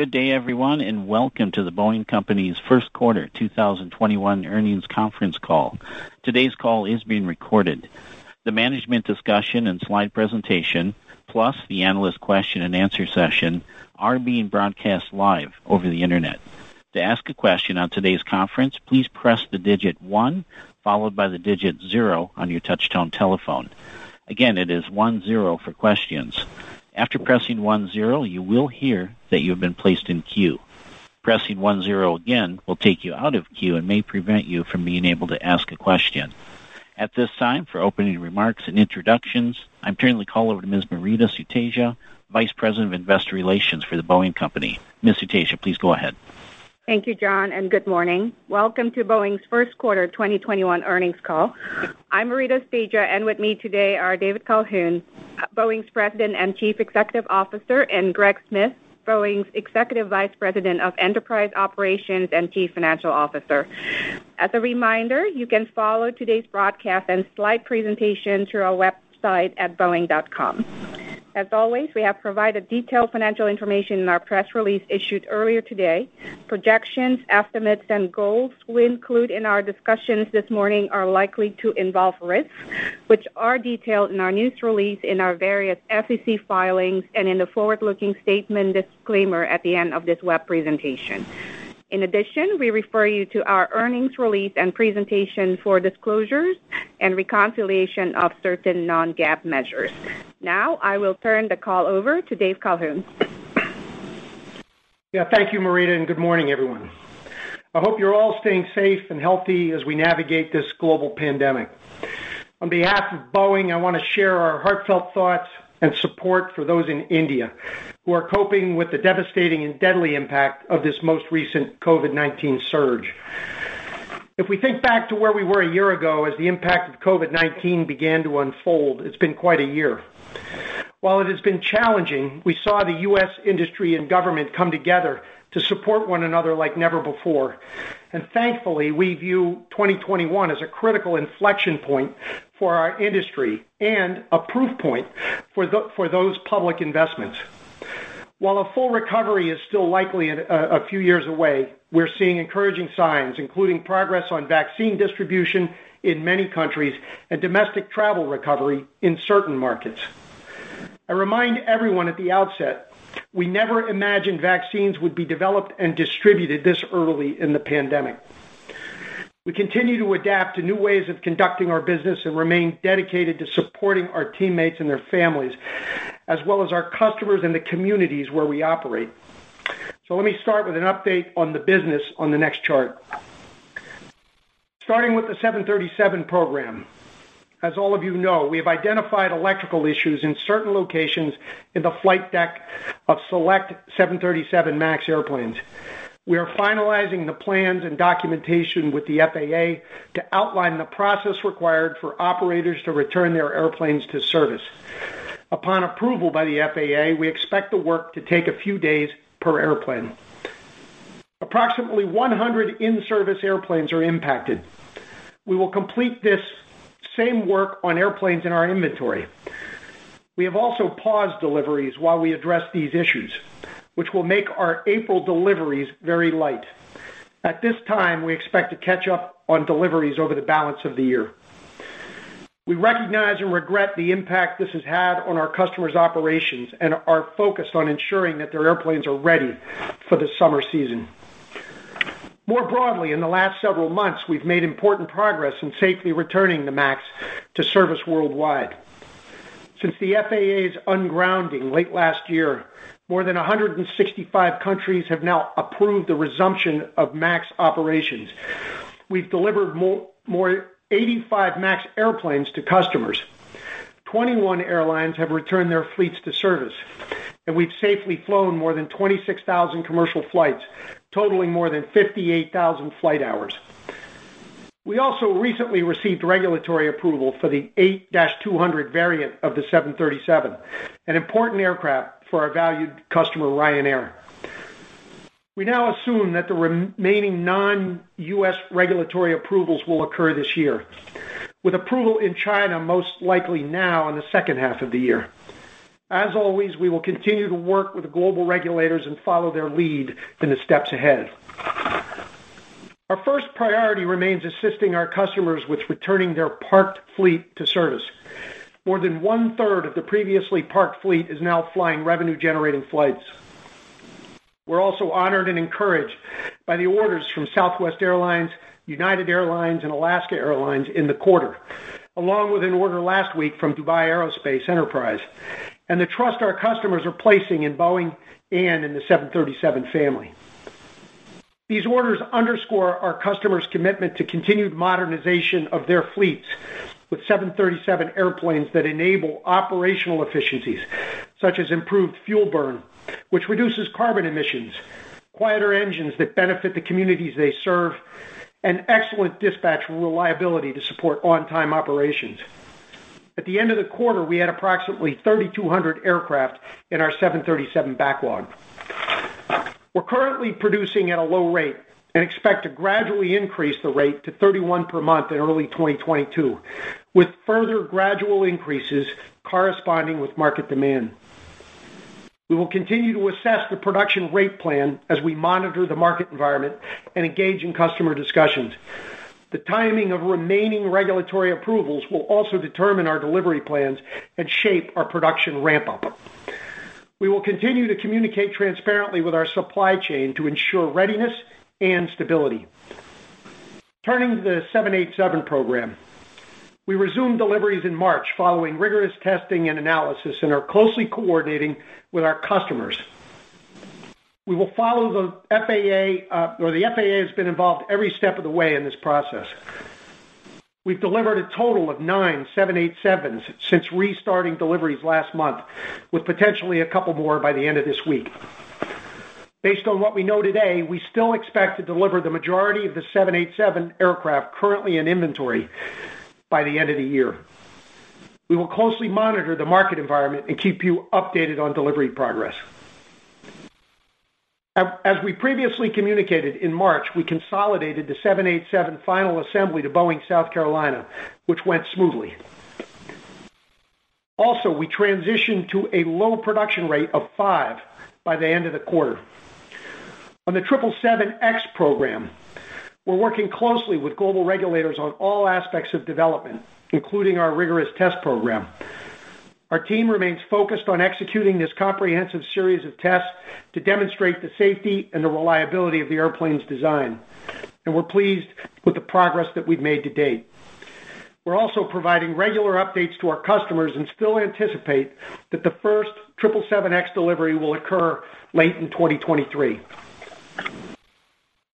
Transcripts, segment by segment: Good day, everyone, and welcome to The Boeing Company's first quarter 2021 earnings conference call. Today's call is being recorded. The management discussion and slide presentation, plus the analyst question and answer session, are being broadcast live over the Internet. At this time, for opening remarks and introductions, I'm turning the call over to Ms. Maurita Sutedja, Vice President of Investor Relations for The Boeing Company. Ms. Sutedja, please go ahead. Thank you, John. Good morning. Welcome to Boeing's first quarter 2021 earnings call. I'm Maurita Sutedja, and with me today are David Calhoun, Boeing's President and Chief Executive Officer, and Greg Smith, Boeing's Executive Vice President of Enterprise Operations and Chief Financial Officer. As a reminder, you can follow today's broadcast and slide presentation through our website at boeing.com. As always, we have provided detailed financial information in our press release issued earlier today. Projections, estimates, and goals we include in our discussions this morning are likely to involve risks, which are detailed in our news release, in our various SEC filings, and in the forward-looking statement disclaimer at the end of this web presentation. In addition, we refer you to our earnings release and presentation for disclosures and reconciliation of certain non-GAAP measures. Now, I will turn the call over to Dave Calhoun. Thank you, Maurita, good morning, everyone. I hope you're all staying safe and healthy as we navigate this global pandemic. On behalf of Boeing, I want to share our heartfelt thoughts and support for those in India who are coping with the devastating and deadly impact of this most recent COVID-19 surge. If we think back to where we were a year ago as the impact of COVID-19 began to unfold, it's been quite a year. While it has been challenging, we saw the U.S. industry and government come together to support one another like never before. Thankfully, we view 2021 as a critical inflection point for our industry and a proof point for those public investments. While a full recovery is still likely a few years away, we're seeing encouraging signs, including progress on vaccine distribution in many countries and domestic travel recovery in certain markets. I remind everyone at the outset, we never imagined vaccines would be developed and distributed this early in the pandemic. We continue to adapt to new ways of conducting our business and remain dedicated to supporting our teammates and their families, as well as our customers and the communities where we operate. Let me start with an update on the business on the next chart. Starting with the 737 program. As all of you know, we have identified electrical issues in certain locations in the flight deck of select 737 MAX airplanes. We are finalizing the plans and documentation with the FAA to outline the process required for operators to return their airplanes to service. Upon approval by the FAA, we expect the work to take a few days per airplane. Approximately 100 in-service airplanes are impacted. We will complete this same work on airplanes in our inventory. We have also paused deliveries while we address these issues, which will make our April deliveries very light. At this time, we expect to catch up on deliveries over the balance of the year. We recognize and regret the impact this has had on our customers' operations and are focused on ensuring that their airplanes are ready for the summer season. More broadly, in the last several months, we've made important progress in safely returning the MAX to service worldwide. Since the FAA's ungrounding late last year, more than 165 countries have now approved the resumption of MAX operations. We've delivered more 85 MAX airplanes to customers. 21 airlines have returned their fleets to service, and we've safely flown more than 26,000 commercial flights, totaling more than 58,000 flight hours. We also recently received regulatory approval for the 8-200 variant of the 737, an important aircraft for our valued customer, Ryanair. We now assume that the remaining non-U.S. regulatory approvals will occur this year, with approval in China most likely now in the second half of the year. As always, we will continue to work with global regulators and follow their lead in the steps ahead. Our first priority remains assisting our customers with returning their parked fleet to service. More than one-third of the previously parked fleet is now flying revenue-generating flights. We're also honored and encouraged by the orders from Southwest Airlines, United Airlines, and Alaska Airlines in the quarter, along with an order last week from Dubai Aerospace Enterprise, and the trust our customers are placing in Boeing and in the 737 family. These orders underscore our customers' commitment to continued modernization of their fleets with 737 airplanes that enable operational efficiencies such as improved fuel burn, which reduces carbon emissions, quieter engines that benefit the communities they serve, and excellent dispatch reliability to support on-time operations. At the end of the quarter, we had approximately 3,200 aircraft in our 737 backlog. We're currently producing at a low rate and expect to gradually increase the rate to 31 per month in early 2022, with further gradual increases corresponding with market demand. We will continue to assess the production rate plan as we monitor the market environment and engage in customer discussions. The timing of remaining regulatory approvals will also determine our delivery plans and shape our production ramp-up. We will continue to communicate transparently with our supply chain to ensure readiness and stability. Turning to the 787 program. We resumed deliveries in March following rigorous testing and analysis and are closely coordinating with our customers. The FAA has been involved every step of the way in this process. We've delivered a total of nine 787s since restarting deliveries last month, with potentially a couple more by the end of this week. Based on what we know today, we still expect to deliver the majority of the 787 aircraft currently in inventory by the end of the year. We will closely monitor the market environment and keep you updated on delivery progress. As we previously communicated in March, we consolidated the 787 final assembly to Boeing South Carolina, which went smoothly. We transitioned to a low production rate of five by the end of the quarter. On the 777X program, we're working closely with global regulators on all aspects of development, including our rigorous test program. Our team remains focused on executing this comprehensive series of tests to demonstrate the safety and the reliability of the airplane's design. We're pleased with the progress that we've made to date. We're also providing regular updates to our customers and still anticipate that the first 777X delivery will occur late in 2023.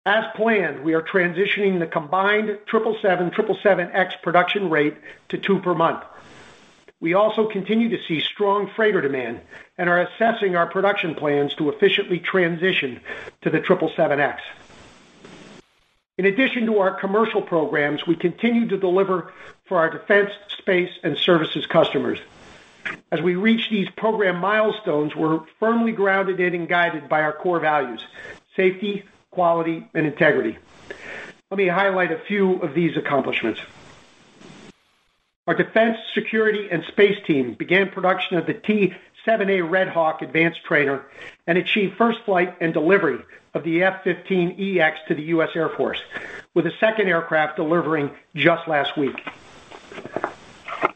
As planned, we are transitioning the combined 777, 777X production rate to two per month. We also continue to see strong freighter demand and are assessing our production plans to efficiently transition to the 777X. In addition to our commercial programs, we continue to deliver for our defense, space, and services customers. As we reach these program milestones, we're firmly grounded and guided by our core values, safety, quality, and integrity. Let me highlight a few of these accomplishments. Our defense, security, and space team began production of the T-7A Red Hawk advanced trainer and achieved first flight and delivery of the F-15EX to the US Air Force, with a second aircraft delivering just last week.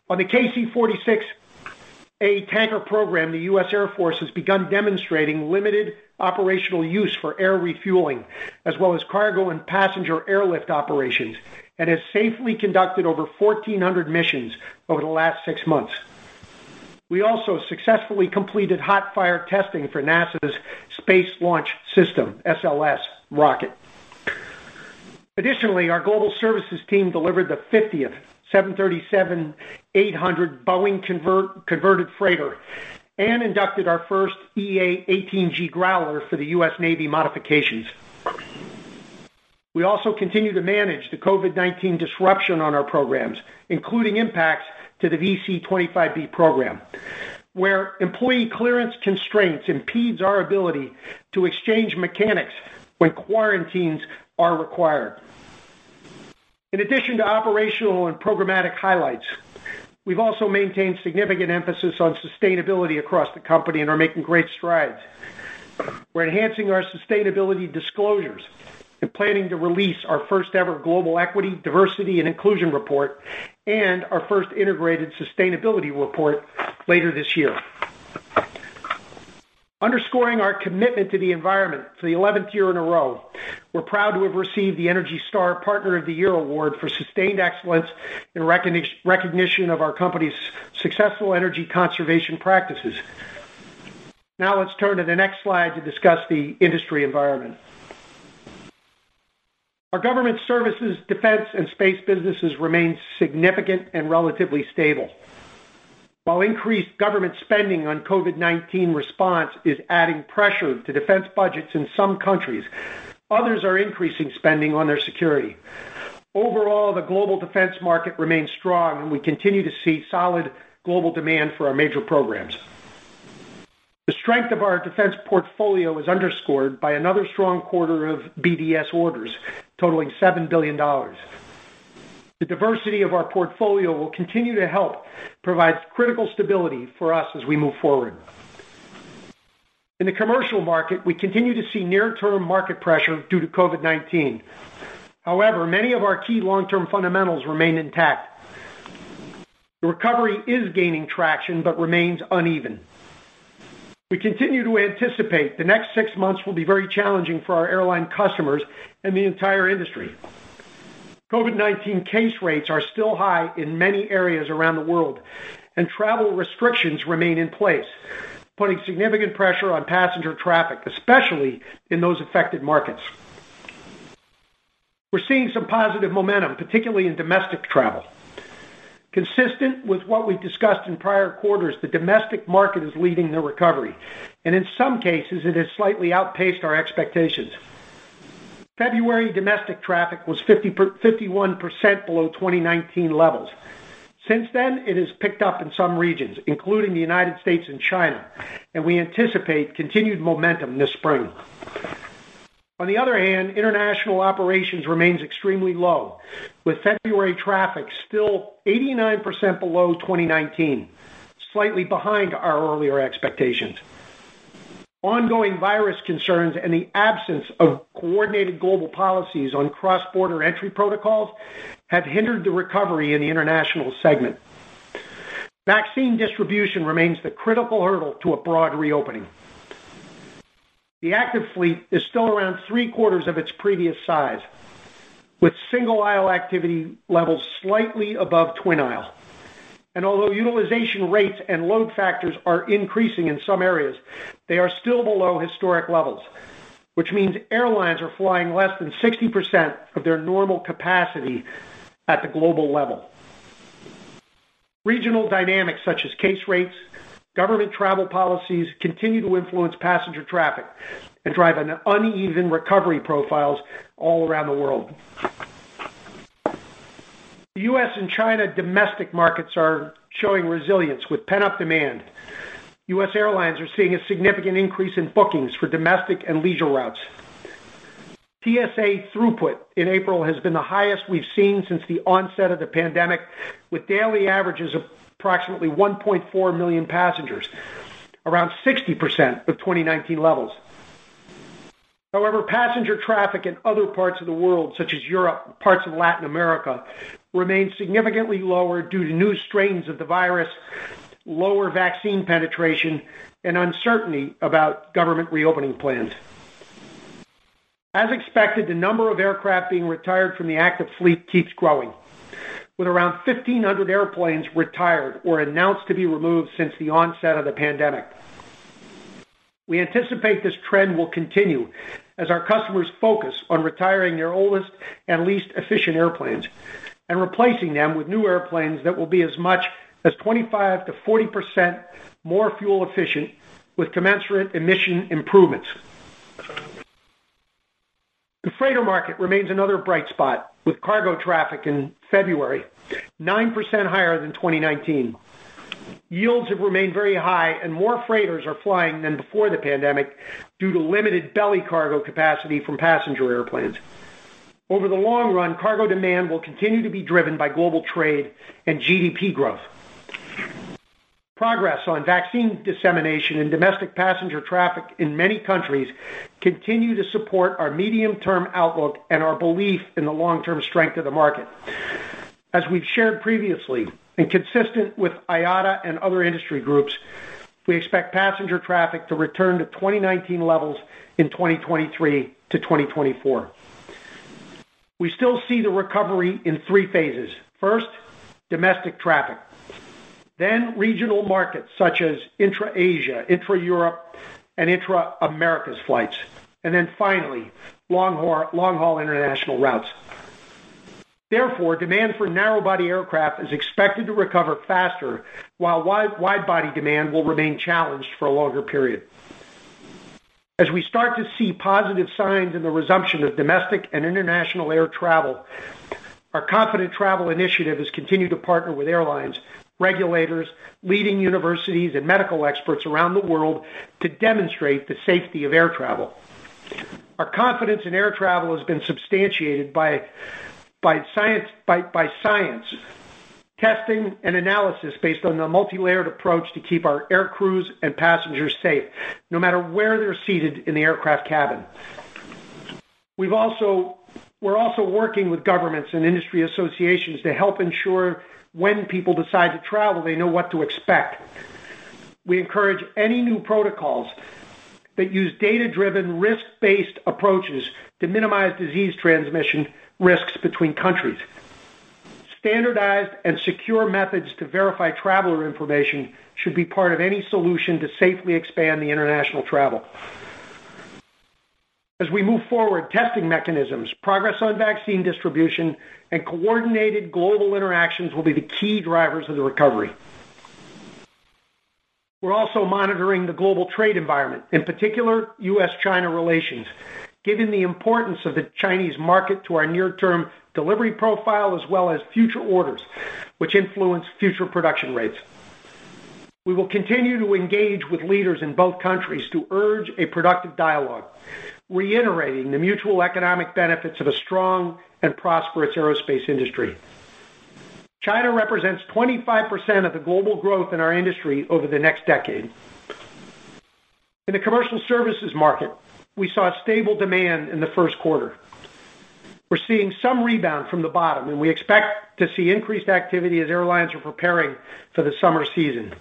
On the KC-46A tanker program, the U.S. Air Force has begun demonstrating limited operational use for air refueling, as well as cargo and passenger airlift operations, and has safely conducted over 1,400 missions over the last six months. We also successfully completed hot fire testing for NASA's Space Launch System, SLS rocket. Additionally, our global services team delivered the 50th 737-800 Boeing converted freighter and inducted our first EA-18G Growler for the U.S. Navy modifications. We also continue to manage the COVID-19 disruption on our programs, including impacts to the VC-25B program, where employee clearance constraints impedes our ability to exchange mechanics when quarantines are required. In addition to operational and programmatic highlights, we've also maintained significant emphasis on sustainability across the company and are making great strides. We're enhancing our sustainability disclosures and planning to release our first ever global equity, diversity, and inclusion report and our first integrated sustainability report later this year. Underscoring our commitment to the environment for the 11th year in a row, we're proud to have received the ENERGY STAR Partner of the Year Award for sustained excellence in recognition of our company's successful energy conservation practices. Let's turn to the next slide to discuss the industry environment. Our government services, defense, and space businesses remain significant and relatively stable. While increased government spending on COVID-19 response is adding pressure to defense budgets in some countries, others are increasing spending on their security. Overall, the global defense market remains strong, and we continue to see solid global demand for our major programs. The strength of our defense portfolio is underscored by another strong quarter of BDS orders totaling $7 billion. The diversity of our portfolio will continue to help provide critical stability for us as we move forward. In the commercial market, we continue to see near-term market pressure due to COVID-19. However, many of our key long-term fundamentals remain intact. The recovery is gaining traction but remains uneven. We continue to anticipate the next six months will be very challenging for our airline customers and the entire industry. COVID-19 case rates are still high in many areas around the world, and travel restrictions remain in place, putting significant pressure on passenger traffic, especially in those affected markets. We're seeing some positive momentum, particularly in domestic travel. Consistent with what we've discussed in prior quarters, the domestic market is leading the recovery, and in some cases, it has slightly outpaced our expectations. February domestic traffic was 51% below 2019 levels. Since then, it has picked up in some regions, including the U.S. and China, and we anticipate continued momentum this spring. On the other hand, international operations remains extremely low, with February traffic still 89% below 2019, slightly behind our earlier expectations. Ongoing virus concerns and the absence of coordinated global policies on cross-border entry protocols have hindered the recovery in the international segment. Vaccine distribution remains the critical hurdle to a broad reopening. The active fleet is still around three-quarters of its previous size, with single-aisle activity levels slightly above twin aisle. Although utilization rates and load factors are increasing in some areas, they are still below historic levels, which means airlines are flying less than 60% of their normal capacity at the global level. Regional dynamics such as case rates, government travel policies, continue to influence passenger traffic and drive uneven recovery profiles all around the world. The U.S. and China domestic markets are showing resilience with pent-up demand. U.S. airlines are seeing a significant increase in bookings for domestic and leisure routes. TSA throughput in April has been the highest we've seen since the onset of the pandemic, with daily averages of approximately 1.4 million passengers, around 60% of 2019 levels. However, passenger traffic in other parts of the world, such as Europe and parts of Latin America, remains significantly lower due to new strains of the virus, lower vaccine penetration, and uncertainty about government reopening plans. As expected, the number of aircraft being retired from the active fleet keeps growing. With around 1,500 airplanes retired or announced to be removed since the onset of the pandemic. We anticipate this trend will continue as our customers focus on retiring their oldest and least efficient airplanes and replacing them with new airplanes that will be as much as 25%-40% more fuel efficient with commensurate emission improvements. The freighter market remains another bright spot, with cargo traffic in February 9% higher than 2019. Yields have remained very high and more freighters are flying than before the pandemic due to limited belly cargo capacity from passenger airplanes. Over the long run, cargo demand will continue to be driven by global trade and GDP growth. Progress on vaccine dissemination and domestic passenger traffic in many countries continue to support our medium-term outlook and our belief in the long-term strength of the market. As we've shared previously and consistent with IATA and other industry groups, we expect passenger traffic to return to 2019 levels in 2023 to 2024. We still see the recovery in three phases. First, domestic traffic, then regional markets such as intra-Asia, intra-Europe, and intra-Americas flights, and then finally long-haul international routes. Therefore, demand for narrow-body aircraft is expected to recover faster, while wide-body demand will remain challenged for a longer period. As we start to see positive signs in the resumption of domestic and international air travel, our Confident Travel Initiative has continued to partner with airlines, regulators, leading universities, and medical experts around the world to demonstrate the safety of air travel. Our confidence in air travel has been substantiated by science, testing, and analysis based on the multilayered approach to keep our air crews and passengers safe, no matter where they're seated in the aircraft cabin. We're also working with governments and industry associations to help ensure when people decide to travel, they know what to expect. We encourage any new protocols that use data-driven, risk-based approaches to minimize disease transmission risks between countries. Standardized and secure methods to verify traveler information should be part of any solution to safely expand the international travel. As we move forward, testing mechanisms, progress on vaccine distribution, and coordinated global interactions will be the key drivers of the recovery. We're also monitoring the global trade environment, in particular U.S.-China relations, given the importance of the Chinese market to our near-term delivery profile as well as future orders, which influence future production rates. We will continue to engage with leaders in both countries to urge a productive dialogue, reiterating the mutual economic benefits of a strong and prosperous aerospace industry. China represents 25% of the global growth in our industry over the next decade. In the commercial services market, we saw stable demand in the first quarter. We're seeing some rebound from the bottom, and we expect to see increased activity as airlines are preparing for the summer season.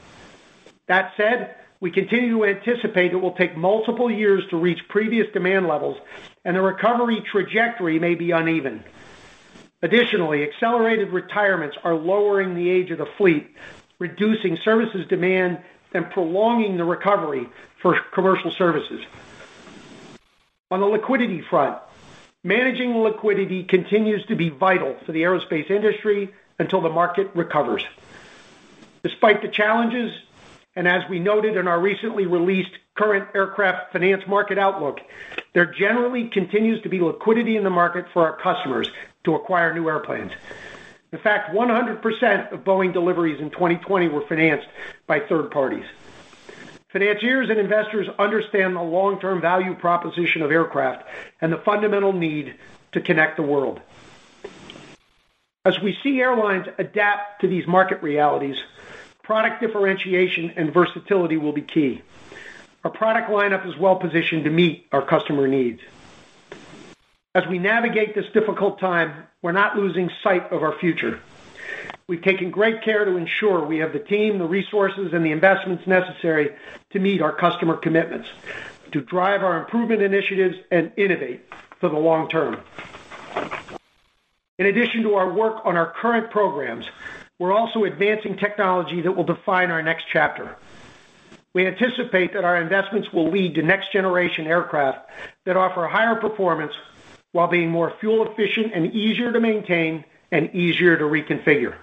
That said, we continue to anticipate it will take multiple years to reach previous demand levels, and the recovery trajectory may be uneven. Additionally, accelerated retirements are lowering the age of the fleet, reducing services demand, and prolonging the recovery for commercial services. On the liquidity front, managing liquidity continues to be vital for the aerospace industry until the market recovers. Despite the challenges, and as we noted in our recently released current aircraft finance market outlook, there generally continues to be liquidity in the market for our customers to acquire new airplanes. In fact, 100% of Boeing deliveries in 2020 were financed by third parties. Financiers and investors understand the long-term value proposition of aircraft and the fundamental need to connect the world. As we see airlines adapt to these market realities, product differentiation and versatility will be key. Our product lineup is well-positioned to meet our customer needs. As we navigate this difficult time, we're not losing sight of our future. We've taken great care to ensure we have the team, the resources, and the investments necessary to meet our customer commitments, to drive our improvement initiatives, and innovate for the long term. In addition to our work on our current programs, we're also advancing technology that will define our next chapter. We anticipate that our investments will lead to next-generation aircraft that offer higher performance while being more fuel efficient and easier to maintain and easier to reconfigure.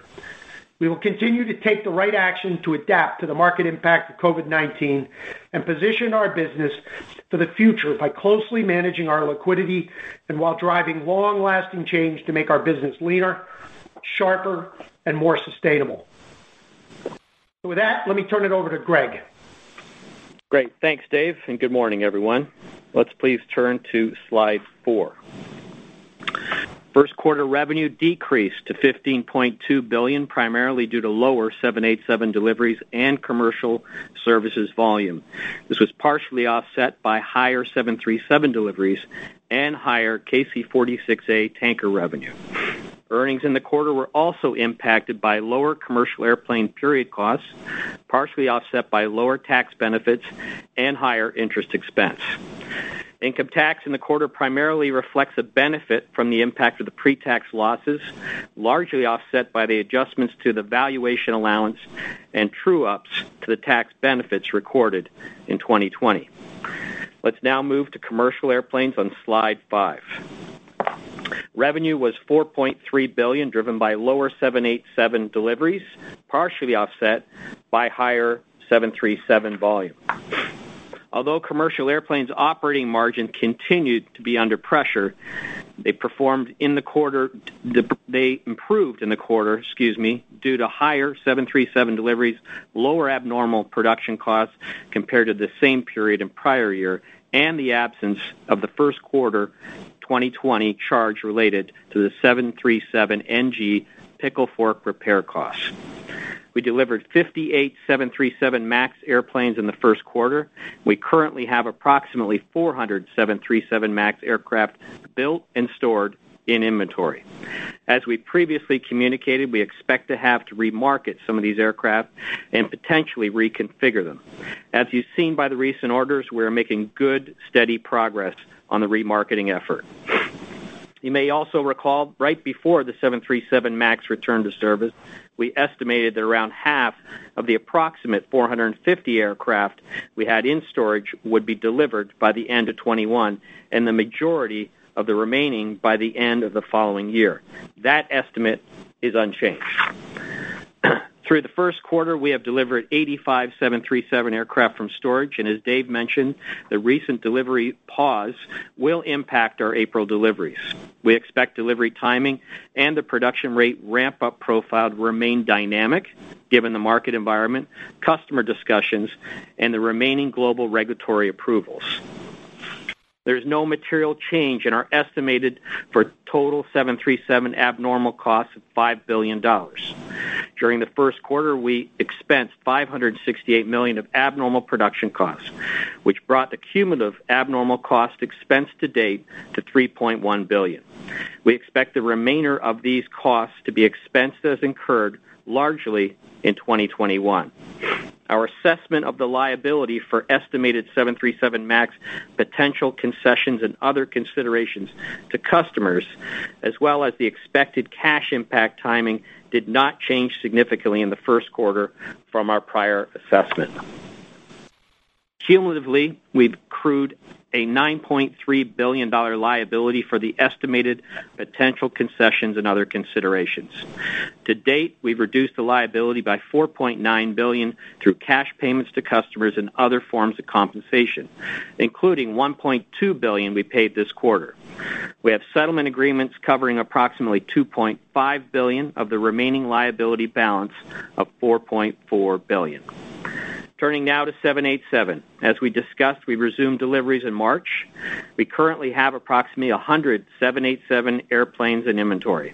We will continue to take the right action to adapt to the market impact of COVID-19 and position our business for the future by closely managing our liquidity and while driving long-lasting change to make our business leaner, sharper, and more sustainable. With that, let me turn it over to Greg. Great. Thanks, Dave, and good morning, everyone. Let's please turn to slide four. First quarter revenue decreased to $15.2 billion, primarily due to lower 787 deliveries and commercial services volume. This was partially offset by higher 737 deliveries and higher KC-46A Tanker revenue. Earnings in the quarter were also impacted by lower commercial airplane period costs, partially offset by lower tax benefits and higher interest expense. Income tax in the quarter primarily reflects a benefit from the impact of the pre-tax losses, largely offset by the adjustments to the valuation allowance and true-ups to the tax benefits recorded in 2020. Let's now move to commercial airplanes on slide five. Revenue was $4.3 billion, driven by lower 787 deliveries, partially offset by higher 737 volume. Although commercial airplanes' operating margin continued to be under pressure, they improved in the quarter, excuse me, due to higher 737 deliveries, lower abnormal production costs compared to the same period in prior year, and the absence of the first quarter 2020 charge related to the 737 NG pickle fork repair cost. We delivered 58 737 MAX airplanes in the first quarter. We currently have approximately 400 737 MAX aircraft built and stored in inventory. As we previously communicated, we expect to have to remarket some of these aircraft and potentially reconfigure them. As you've seen by the recent orders, we're making good, steady progress on the remarketing effort. You may also recall right before the 737 MAX return to service, we estimated that around half of the approximate 450 aircraft we had in storage would be delivered by the end of 2021, and the majority of the remaining by the end of the following year. That estimate is unchanged. Through the first quarter, we have delivered 85 737 aircraft from storage, and as Dave mentioned, the recent delivery pause will impact our April deliveries. We expect delivery timing and the production rate ramp-up profile to remain dynamic given the market environment, customer discussions, and the remaining global regulatory approvals. There's no material change in our estimated for total 737 abnormal costs of $5 billion. During the first quarter, we expensed $568 million of abnormal production costs, which brought the cumulative abnormal cost expense to date to $3.1 billion. We expect the remainder of these costs to be expensed as incurred largely in 2021. Our assessment of the liability for estimated 737 MAX potential concessions and other considerations to customers, as well as the expected cash impact timing, did not change significantly in the first quarter from our prior assessment. Cumulatively, we've accrued a $9.3 billion liability for the estimated potential concessions and other considerations. To date, we've reduced the liability by $4.9 billion through cash payments to customers and other forms of compensation, including $1.2 billion we paid this quarter. We have settlement agreements covering approximately $2.5 billion of the remaining liability balance of $4.4 billion. Turning now to 787. As we discussed, we resumed deliveries in March. We currently have approximately 100 787 airplanes in inventory.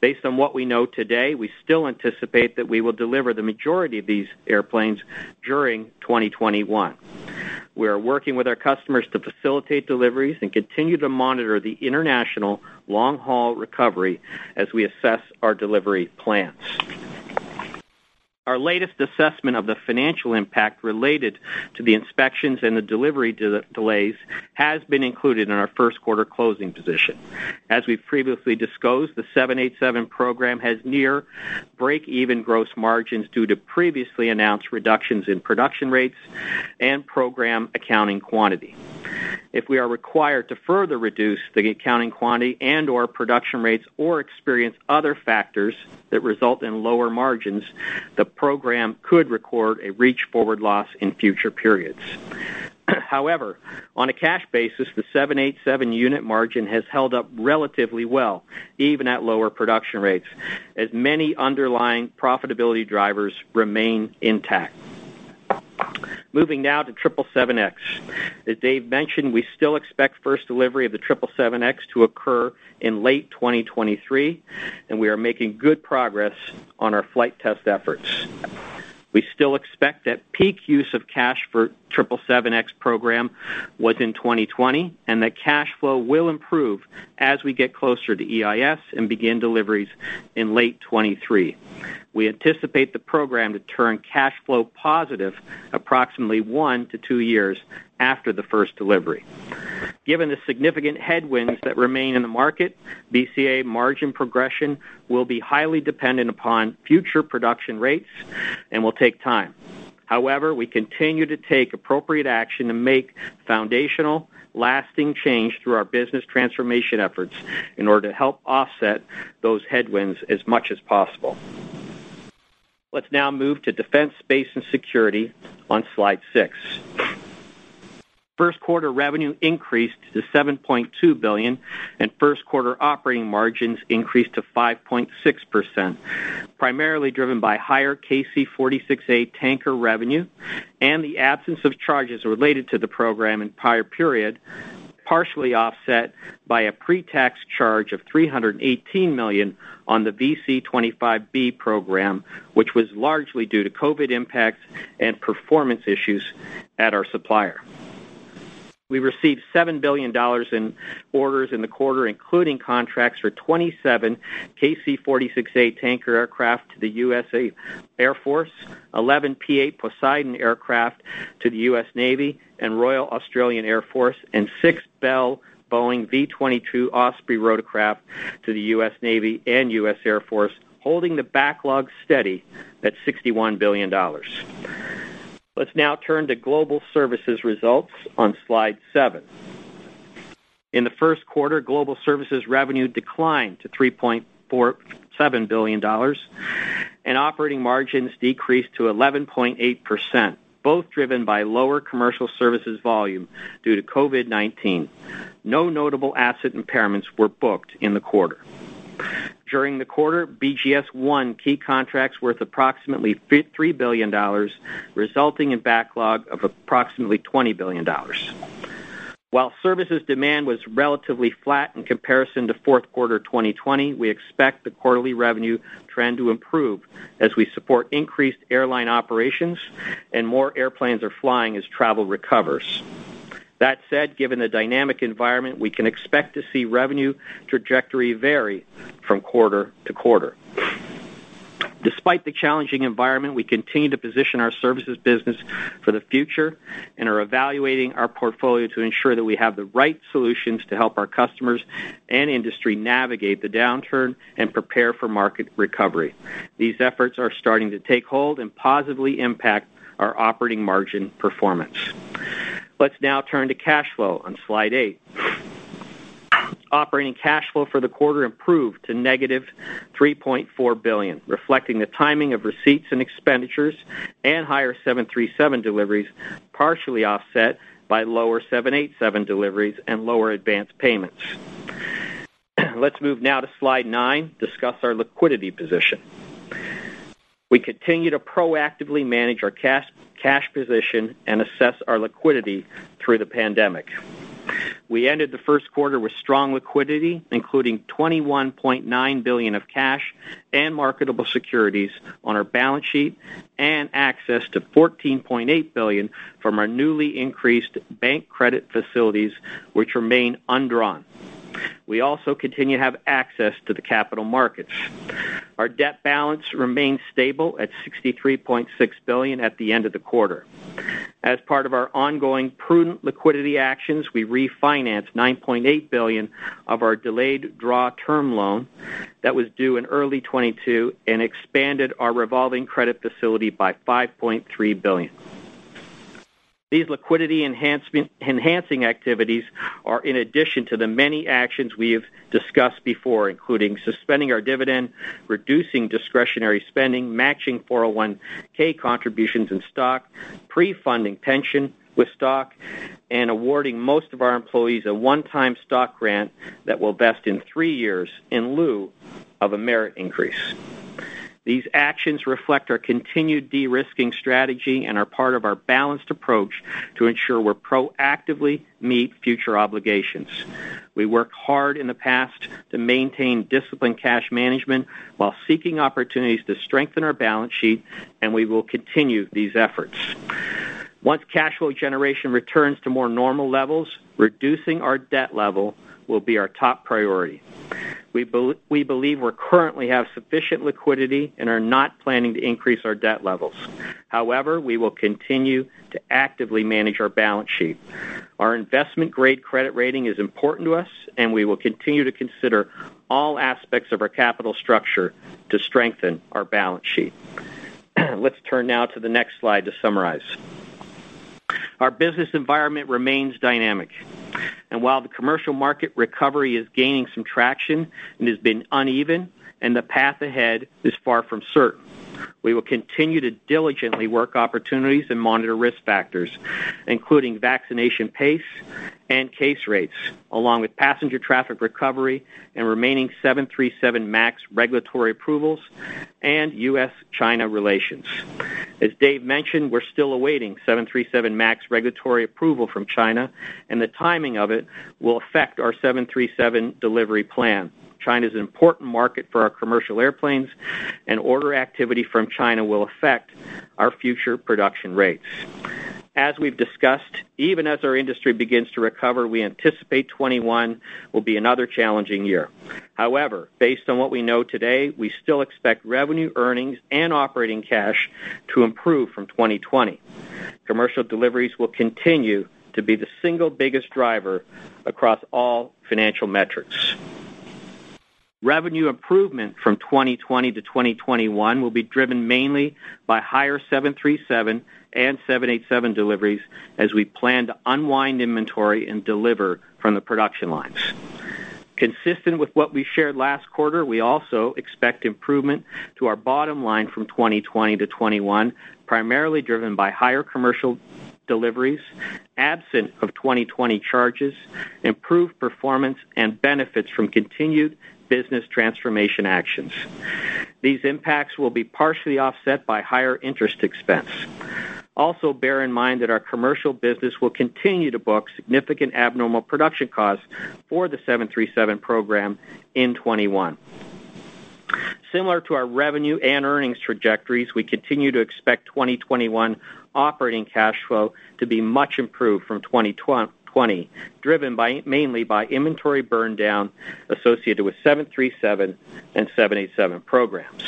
Based on what we know today, we still anticipate that we will deliver the majority of these airplanes during 2021. We are working with our customers to facilitate deliveries and continue to monitor the international long-haul recovery as we assess our delivery plans. Our latest assessment of the financial impact related to the inspections and the delivery delays has been included in our first quarter closing position. As we've previously disclosed, the 787 program has near break-even gross margins due to previously announced reductions in production rates and program accounting quantity. If we are required to further reduce the accounting quantity and/or production rates or experience other factors that result in lower margins, the program could record a reach-forward loss in future periods. On a cash basis, the 787 unit margin has held up relatively well, even at lower production rates, as many underlying profitability drivers remain intact. Moving now to 777X. As Dave mentioned, we still expect first delivery of the 777X to occur in late 2023, and we are making good progress on our flight test efforts. We still expect that peak use of cash for 777X program was in 2020, and that cash flow will improve as we get closer to EIS and begin deliveries in late 2023. We anticipate the program to turn cash flow positive approximately one to two years after the first delivery. Given the significant headwinds that remain in the market, BCA margin progression will be highly dependent upon future production rates and will take time. However, we continue to take appropriate action to make foundational, lasting change through our business transformation efforts in order to help offset those headwinds as much as possible. Let's now move to Defense, Space, and Security on slide six. First quarter revenue increased to $7.2 billion, and first quarter operating margins increased to 5.6%, primarily driven by higher KC-46A Pegasus revenue and the absence of charges related to the program in the prior period, partially offset by a pre-tax charge of $318 million on the VC-25B program, which was largely due to COVID-19 impacts and performance issues at our supplier. We received $7 billion in orders in the quarter, including contracts for 27 KC-46A Pegasus aircraft to the United States Air Force, 11 P-8 Poseidon aircraft to the United States Navy and Royal Australian Air Force, and six Bell Boeing V-22 Osprey rotorcraft to the US Navy and US Air Force, holding the backlog steady at $61 billion. Let's now turn to Global Services results on slide seven. In the first quarter, Global Services revenue declined to $3.47 billion, and operating margins decreased to 11.8%, both driven by lower commercial services volume due to COVID-19. No notable asset impairments were booked in the quarter. During the quarter, BGS won key contracts worth approximately $3 billion, resulting in backlog of approximately $20 billion. While services demand was relatively flat in comparison to fourth quarter 2020, we expect the quarterly revenue trend to improve as we support increased airline operations and more airplanes are flying as travel recovers. That said, given the dynamic environment, we can expect to see revenue trajectory vary from quarter to quarter. Despite the challenging environment, we continue to position our services business for the future and are evaluating our portfolio to ensure that we have the right solutions to help our customers and industry navigate the downturn and prepare for market recovery. These efforts are starting to take hold and positively impact our operating margin performance. Let's now turn to cash flow on slide eight. Operating cash flow for the quarter improved to negative $3.4 billion, reflecting the timing of receipts and expenditures and higher 737 deliveries, partially offset by lower 787 deliveries and lower advanced payments. Let's move now to slide nine, discuss our liquidity position. We continue to proactively manage our cash position and assess our liquidity through the pandemic. We ended the first quarter with strong liquidity, including $21.9 billion of cash and marketable securities on our balance sheet and access to $14.8 billion from our newly increased bank credit facilities, which remain undrawn. We also continue to have access to the capital markets. Our debt balance remains stable at $63.6 billion at the end of the quarter. As part of our ongoing prudent liquidity actions, we refinanced $9.8 billion of our delayed draw term loan that was due in early 2022 and expanded our revolving credit facility by $5.3 billion. These liquidity-enhancing activities are in addition to the many actions we have discussed before, including suspending our dividend, reducing discretionary spending, matching 401 contributions in stock, pre-funding pension with stock, and awarding most of our employees a one-time stock grant that will vest in three years in lieu of a merit increase. These actions reflect our continued de-risking strategy and are part of our balanced approach to ensure we'll proactively meet future obligations. We worked hard in the past to maintain disciplined cash management while seeking opportunities to strengthen our balance sheet, and we will continue these efforts. Once cash flow generation returns to more normal levels, reducing our debt level will be our top priority. We believe we currently have sufficient liquidity and are not planning to increase our debt levels. However, we will continue to actively manage our balance sheet. Our investment-grade credit rating is important to us, and we will continue to consider all aspects of our capital structure to strengthen our balance sheet. Let's turn now to the next slide to summarize. Our business environment remains dynamic. While the commercial market recovery is gaining some traction and has been uneven and the path ahead is far from certain. We will continue to diligently work opportunities and monitor risk factors, including vaccination pace and case rates, along with passenger traffic recovery and remaining 737 MAX regulatory approvals and U.S.-China relations. As Dave mentioned, we're still awaiting 737 MAX regulatory approval from China, and the timing of it will affect our 737 delivery plan. China's an important market for our commercial airplanes, and order activity from China will affect our future production rates. As we've discussed, even as our industry begins to recover, we anticipate 2021 will be another challenging year. However, based on what we know today, we still expect revenue earnings and operating cash to improve from 2020. Commercial deliveries will continue to be the single biggest driver across all financial metrics. Revenue improvement from 2020 to 2021 will be driven mainly by higher 737 and 787 deliveries as we plan to unwind inventory and deliver from the production lines. Consistent with what we shared last quarter, we also expect improvement to our bottom line from 2020 to 2021, primarily driven by higher commercial deliveries, absent of 2020 charges, improved performance, and benefits from continued business transformation actions. These impacts will be partially offset by higher interest expense. Bear in mind that our commercial business will continue to book significant abnormal production costs for the 737 program in 2021. Similar to our revenue and earnings trajectories, we continue to expect 2021 operating cash flow to be much improved from 2020, driven mainly by inventory burndown associated with 737 and 787 programs.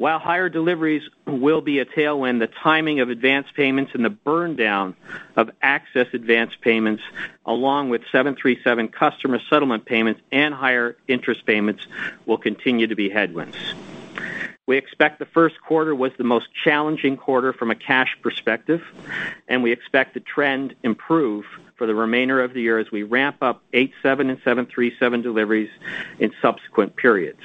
Higher deliveries will be a tailwind, the timing of advanced payments and the burndown of excess advanced payments, along with 737 customer settlement payments and higher interest payments, will continue to be headwinds. We expect the first quarter was the most challenging quarter from a cash perspective, we expect the trend improve for the remainder of the year as we ramp up 787 and 737 deliveries in subsequent periods.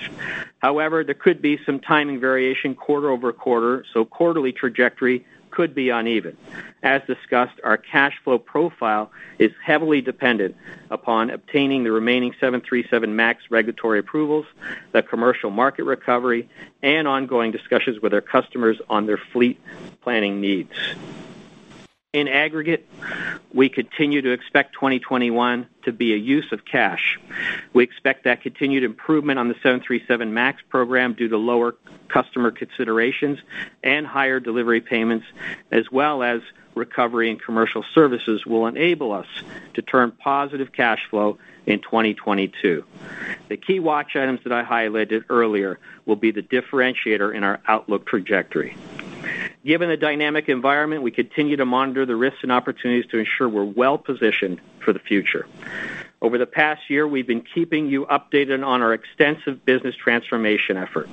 There could be some timing variation quarter-over-quarter, quarterly trajectory could be uneven. As discussed, our cash flow profile is heavily dependent upon obtaining the remaining 737 MAX regulatory approvals, the commercial market recovery, and ongoing discussions with our customers on their fleet planning needs. In aggregate, we continue to expect 2021 to be a use of cash. We expect that continued improvement on the 737 MAX program due to lower customer considerations and higher delivery payments, as well as recovery and commercial services, will enable us to turn positive cash flow in 2022. The key watch items that I highlighted earlier will be the differentiator in our outlook trajectory. Given the dynamic environment, we continue to monitor the risks and opportunities to ensure we're well-positioned for the future. Over the past year, we've been keeping you updated on our extensive business transformation effort.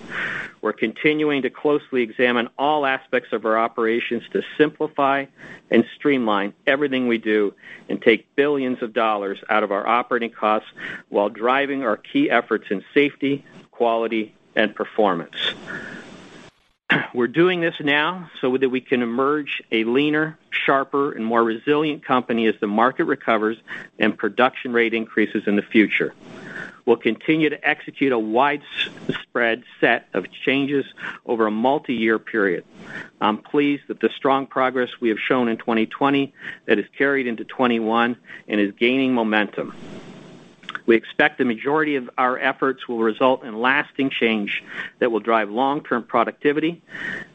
We're continuing to closely examine all aspects of our operations to simplify and streamline everything we do and take billions of dollars out of our operating costs while driving our key efforts in safety, quality, and performance. We're doing this now so that we can emerge a leaner, sharper, and more resilient company as the market recovers and production rate increases in the future. We'll continue to execute a widespread set of changes over a multi-year period. I'm pleased with the strong progress we have shown in 2020 that has carried into 2021 and is gaining momentum. We expect the majority of our efforts will result in lasting change that will drive long-term productivity,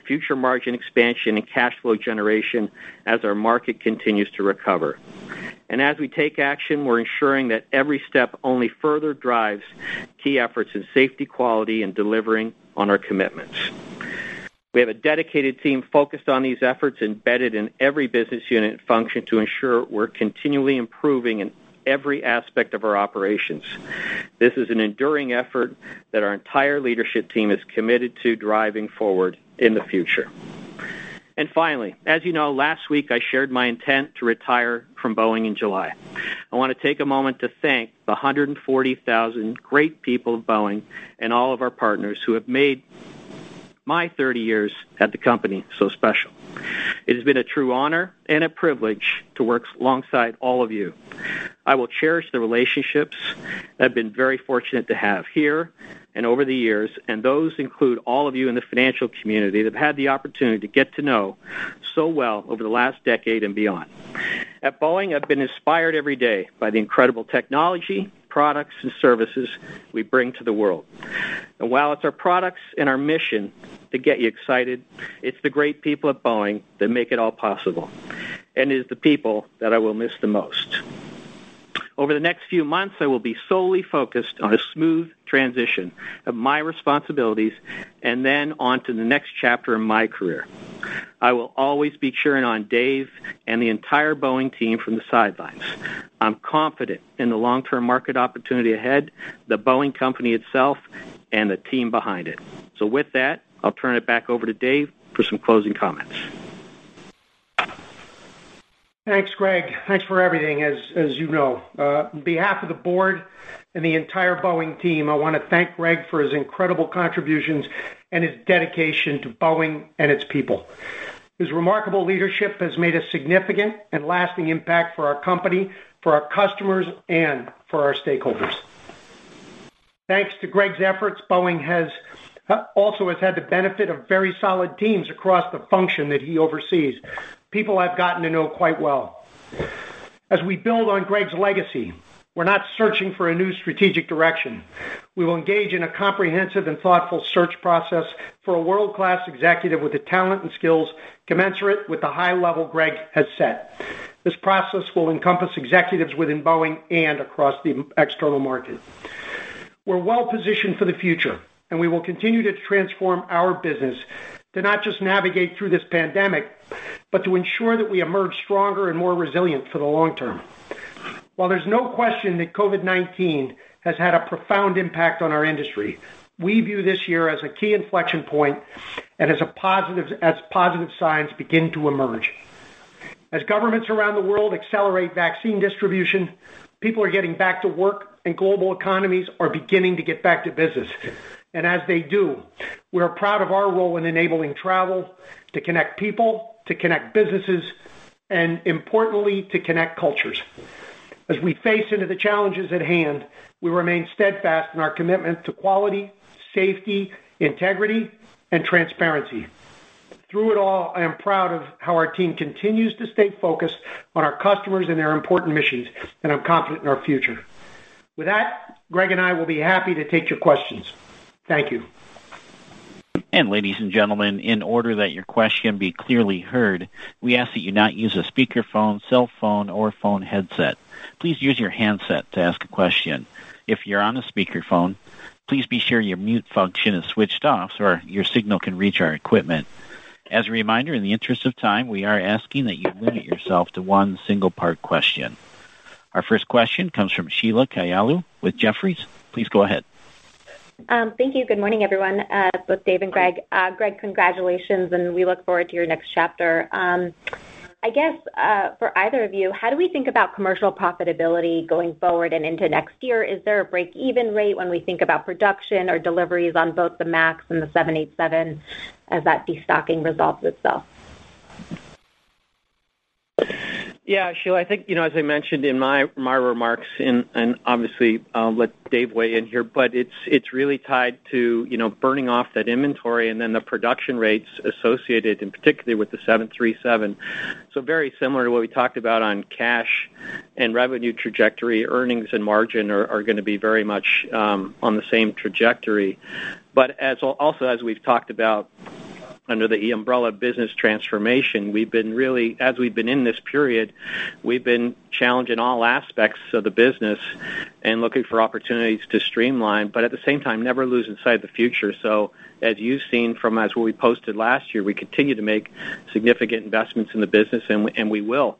future margin expansion, and cash flow generation as our market continues to recover. As we take action, we're ensuring that every step only further drives key efforts in safety, quality, and delivering on our commitments. We have a dedicated team focused on these efforts embedded in every business unit function to ensure we're continually improving in every aspect of our operations. This is an enduring effort that our entire leadership team is committed to driving forward in the future. Finally, as you know, last week, I shared my intent to retire from Boeing in July. I want to take a moment to thank the 140,000 great people of Boeing and all of our partners who have made my 30 years at the company so special. It has been a true honor and a privilege to work alongside all of you. I will cherish the relationships I've been very fortunate to have here and over the years, and those include all of you in the financial community that I've had the opportunity to get to know so well over the last decade and beyond. At Boeing, I've been inspired every day by the incredible technology, products, and services we bring to the world. While it's our products and our mission that get you excited, it's the great people at Boeing that make it all possible, and it is the people that I will miss the most. Over the next few months, I will be solely focused on a smooth transition of my responsibilities and then on to the next chapter in my career. I will always be cheering on Dave and the entire Boeing team from the sidelines. I'm confident in the long-term market opportunity ahead, The Boeing Company itself, and the team behind it. With that, I'll turn it back over to Dave for some closing comments. Thanks, Greg. Thanks for everything, as you know. On behalf of the board and the entire Boeing team, I want to thank Greg for his incredible contributions and his dedication to Boeing and its people. His remarkable leadership has made a significant and lasting impact for our company, for our customers, and for our stakeholders. Thanks to Greg's efforts, Boeing also has had the benefit of very solid teams across the function that he oversees, people I've gotten to know quite well. As we build on Greg's legacy, we're not searching for a new strategic direction. We will engage in a comprehensive and thoughtful search process for a world-class executive with the talent and skills commensurate with the high level Greg has set. This process will encompass executives within Boeing and across the external market. We're well-positioned for the future, and we will continue to transform our business to not just navigate through this pandemic, but to ensure that we emerge stronger and more resilient for the long term. While there's no question that COVID-19 has had a profound impact on our industry, we view this year as a key inflection point and as positive signs begin to emerge. As governments around the world accelerate vaccine distribution, people are getting back to work, and global economies are beginning to get back to business. As they do, we are proud of our role in enabling travel to connect people, to connect businesses, and importantly, to connect cultures. As we face into the challenges at hand, we remain steadfast in our commitment to quality, safety, integrity, and transparency. Through it all, I am proud of how our team continues to stay focused on our customers and their important missions, and I'm confident in our future. With that, Greg and I will be happy to take your questions. Thank you. Ladies and gentlemen, in order that your question be clearly heard, we ask that you not use a speakerphone, cell phone, or phone headset. Please use your handset to ask a question. If you're on a speakerphone, please be sure your mute function is switched off so your signal can reach our equipment. As a reminder, in the interest of time, we are asking that you limit yourself to one single part question. Our first question comes from Sheila Kahyaoglu with Jefferies. Please go ahead. Thank you. Good morning, everyone, both Dave and Greg. Greg, congratulations, and we look forward to your next chapter. I guess, for either of you, how do we think about commercial profitability going forward and into next year? Is there a break-even rate when we think about production or deliveries on both the MAX and the 787 as that destocking resolves itself? Sheila, I think, as I mentioned in my remarks, obviously I'll let Dave weigh in here, it's really tied to burning off that inventory and then the production rates associated, particularly with the 737. Very similar to what we talked about on cash and revenue trajectory, earnings and margin are going to be very much on the same trajectory. Also, as we've talked about under the umbrella of business transformation, as we've been in this period, we've been challenging all aspects of the business and looking for opportunities to streamline, at the same time, never lose sight of the future. As you've seen from what we posted last year, we continue to make significant investments in the business, we will.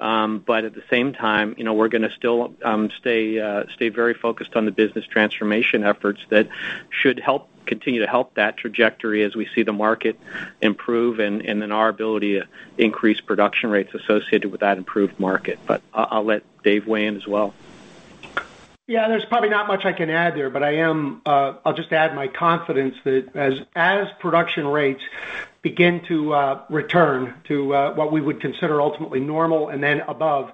At the same time, we're going to still stay very focused on the business transformation efforts that should continue to help that trajectory as we see the market improve and then our ability to increase production rates associated with that improved market. I'll let Dave weigh in as well. Yeah, there's probably not much I can add there. I'll just add my confidence that as production rates begin to return to what we would consider ultimately normal and then above,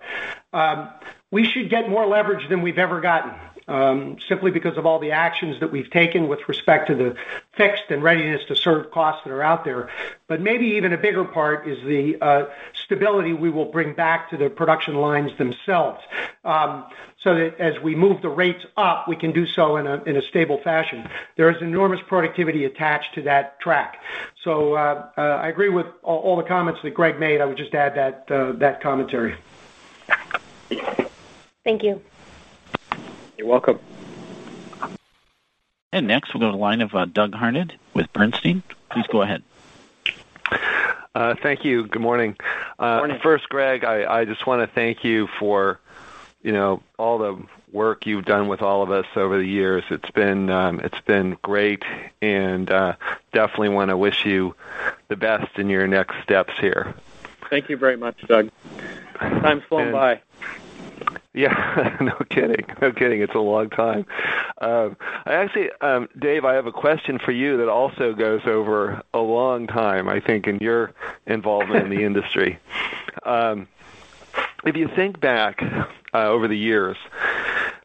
we should get more leverage than we've ever gotten, simply because of all the actions that we've taken with respect to the fixed and readiness to serve costs that are out there. Maybe even a bigger part is the stability we will bring back to the production lines themselves, so that as we move the rates up, we can do so in a stable fashion. There is enormous productivity attached to that track. I agree with all the comments that Greg made. I would just add that commentary. Thank you. You're welcome. Next, we'll go to line of Douglas Harned with Bernstein. Please go ahead. Thank you. Good morning. Morning. First, Greg, I just want to thank you for all the work you've done with all of us over the years. It's been great, and definitely want to wish you the best in your next steps here. Thank you very much, Doug. Time's flown by. Yeah. No kidding. It's a long time. Actually, Dave, I have a question for you that also goes over a long time, I think, in your involvement in the industry. If you think back over the years,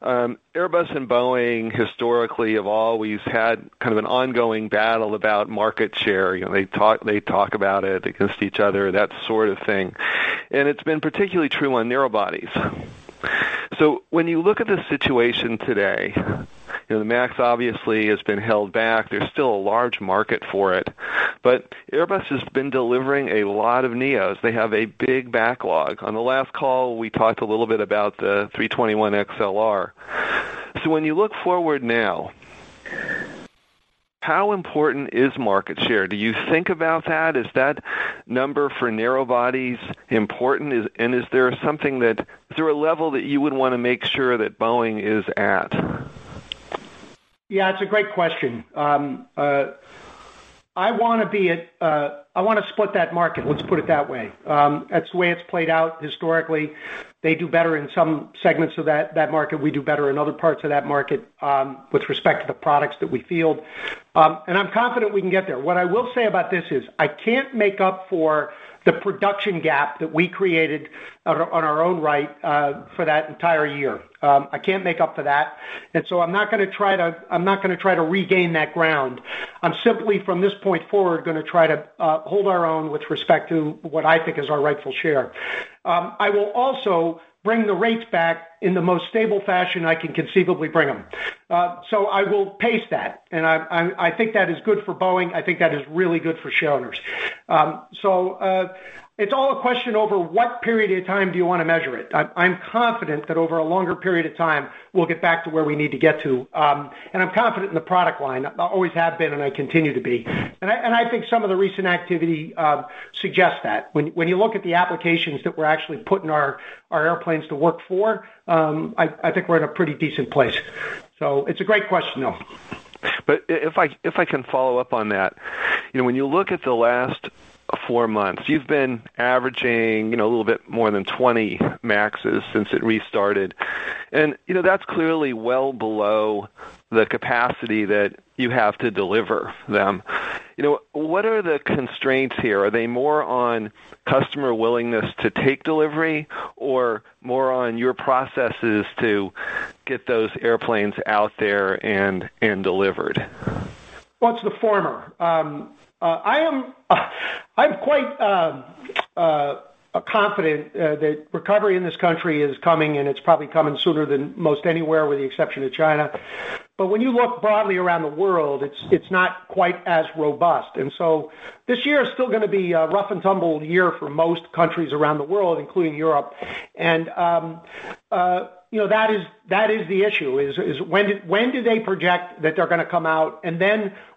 Airbus and Boeing historically have always had kind of an ongoing battle about market share. They talk about it against each other, that sort of thing, and it's been particularly true on narrow bodies. When you look at the situation today, the Max obviously has been held back. There's still a large market for it, but Airbus has been delivering a lot of NEOs. They have a big backlog. On the last call, we talked a little bit about the A321XLR. When you look forward now, how important is market share? Do you think about that? Is that number for narrow bodies important? Is there a level that you would want to make sure that Boeing is at? Yeah, it's a great question. I want to split that market, let's put it that way. That's the way it's played out historically. They do better in some segments of that market. We do better in other parts of that market, with respect to the products that we field. I'm confident we can get there. What I will say about this is, I can't make up for the production gap that we created on our own right, for that entire year. I can't make up for that. I'm not going to try to regain that ground. I'm simply, from this point forward, going to try to hold our own with respect to what I think is our rightful share. I will also bring the rates back in the most stable fashion I can conceivably bring them. I will pace that, and I think that is good for Boeing. I think that is really good for shareholders. It's all a question over what period of time do you want to measure it? I'm confident that over a longer period of time, we'll get back to where we need to get to. I'm confident in the product line. I always have been, and I continue to be. I think some of the recent activity suggests that. When you look at the applications that we're actually putting our airplanes to work for, I think we're in a pretty decent place. It's a great question, though. If I can follow up on that, when you look at the last four months, you've been averaging a little bit more than 20 MAXs since it restarted. That's clearly well below the capacity that you have to deliver them. What are the constraints here? Are they more on customer willingness to take delivery or more on your processes to get those airplanes out there and delivered? Well, it's the former. I'm quite confident that recovery in this country is coming, and it's probably coming sooner than most anywhere, with the exception of China. When you look broadly around the world, it's not quite as robust. This year is still going to be a rough and tumble year for most countries around the world, including Europe. That is the issue, is when do they project that they're going to come out?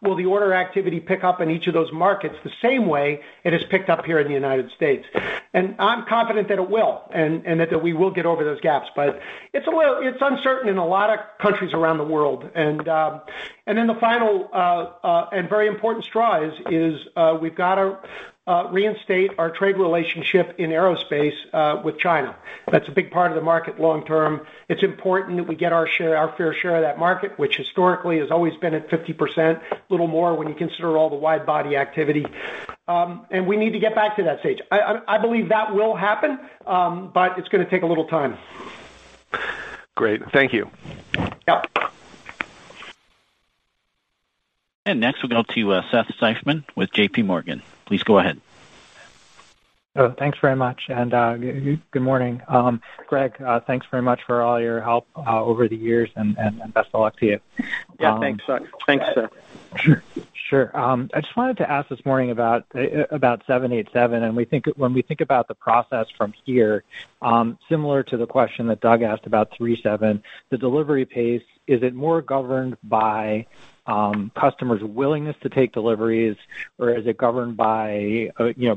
Will the order activity pick up in each of those markets the same way it has picked up here in the United States? I'm confident that it will, and that we will get over those gaps. It's uncertain in a lot of countries around the world. The final and very important strive is we've got to reinstate our trade relationship in aerospace with China. That's a big part of the market long term. It's important that we get our fair share of that market, which historically has always been at 50%, a little more when you consider all the wide-body activity. We need to get back to that stage. I believe that will happen, but it's going to take a little time. Great. Thank you. Yeah. Next we'll go to Seth Seifman with J.P. Morgan. Please go ahead. Oh, thanks very much. Good morning. Greg, thanks very much for all your help over the years, and best of luck to you. Yeah, thanks, Seth. Sure. I just wanted to ask this morning about 787. When we think about the process from here, similar to the question that Doug asked about 737, the delivery pace, is it more governed by customers' willingness to take deliveries, or is it governed by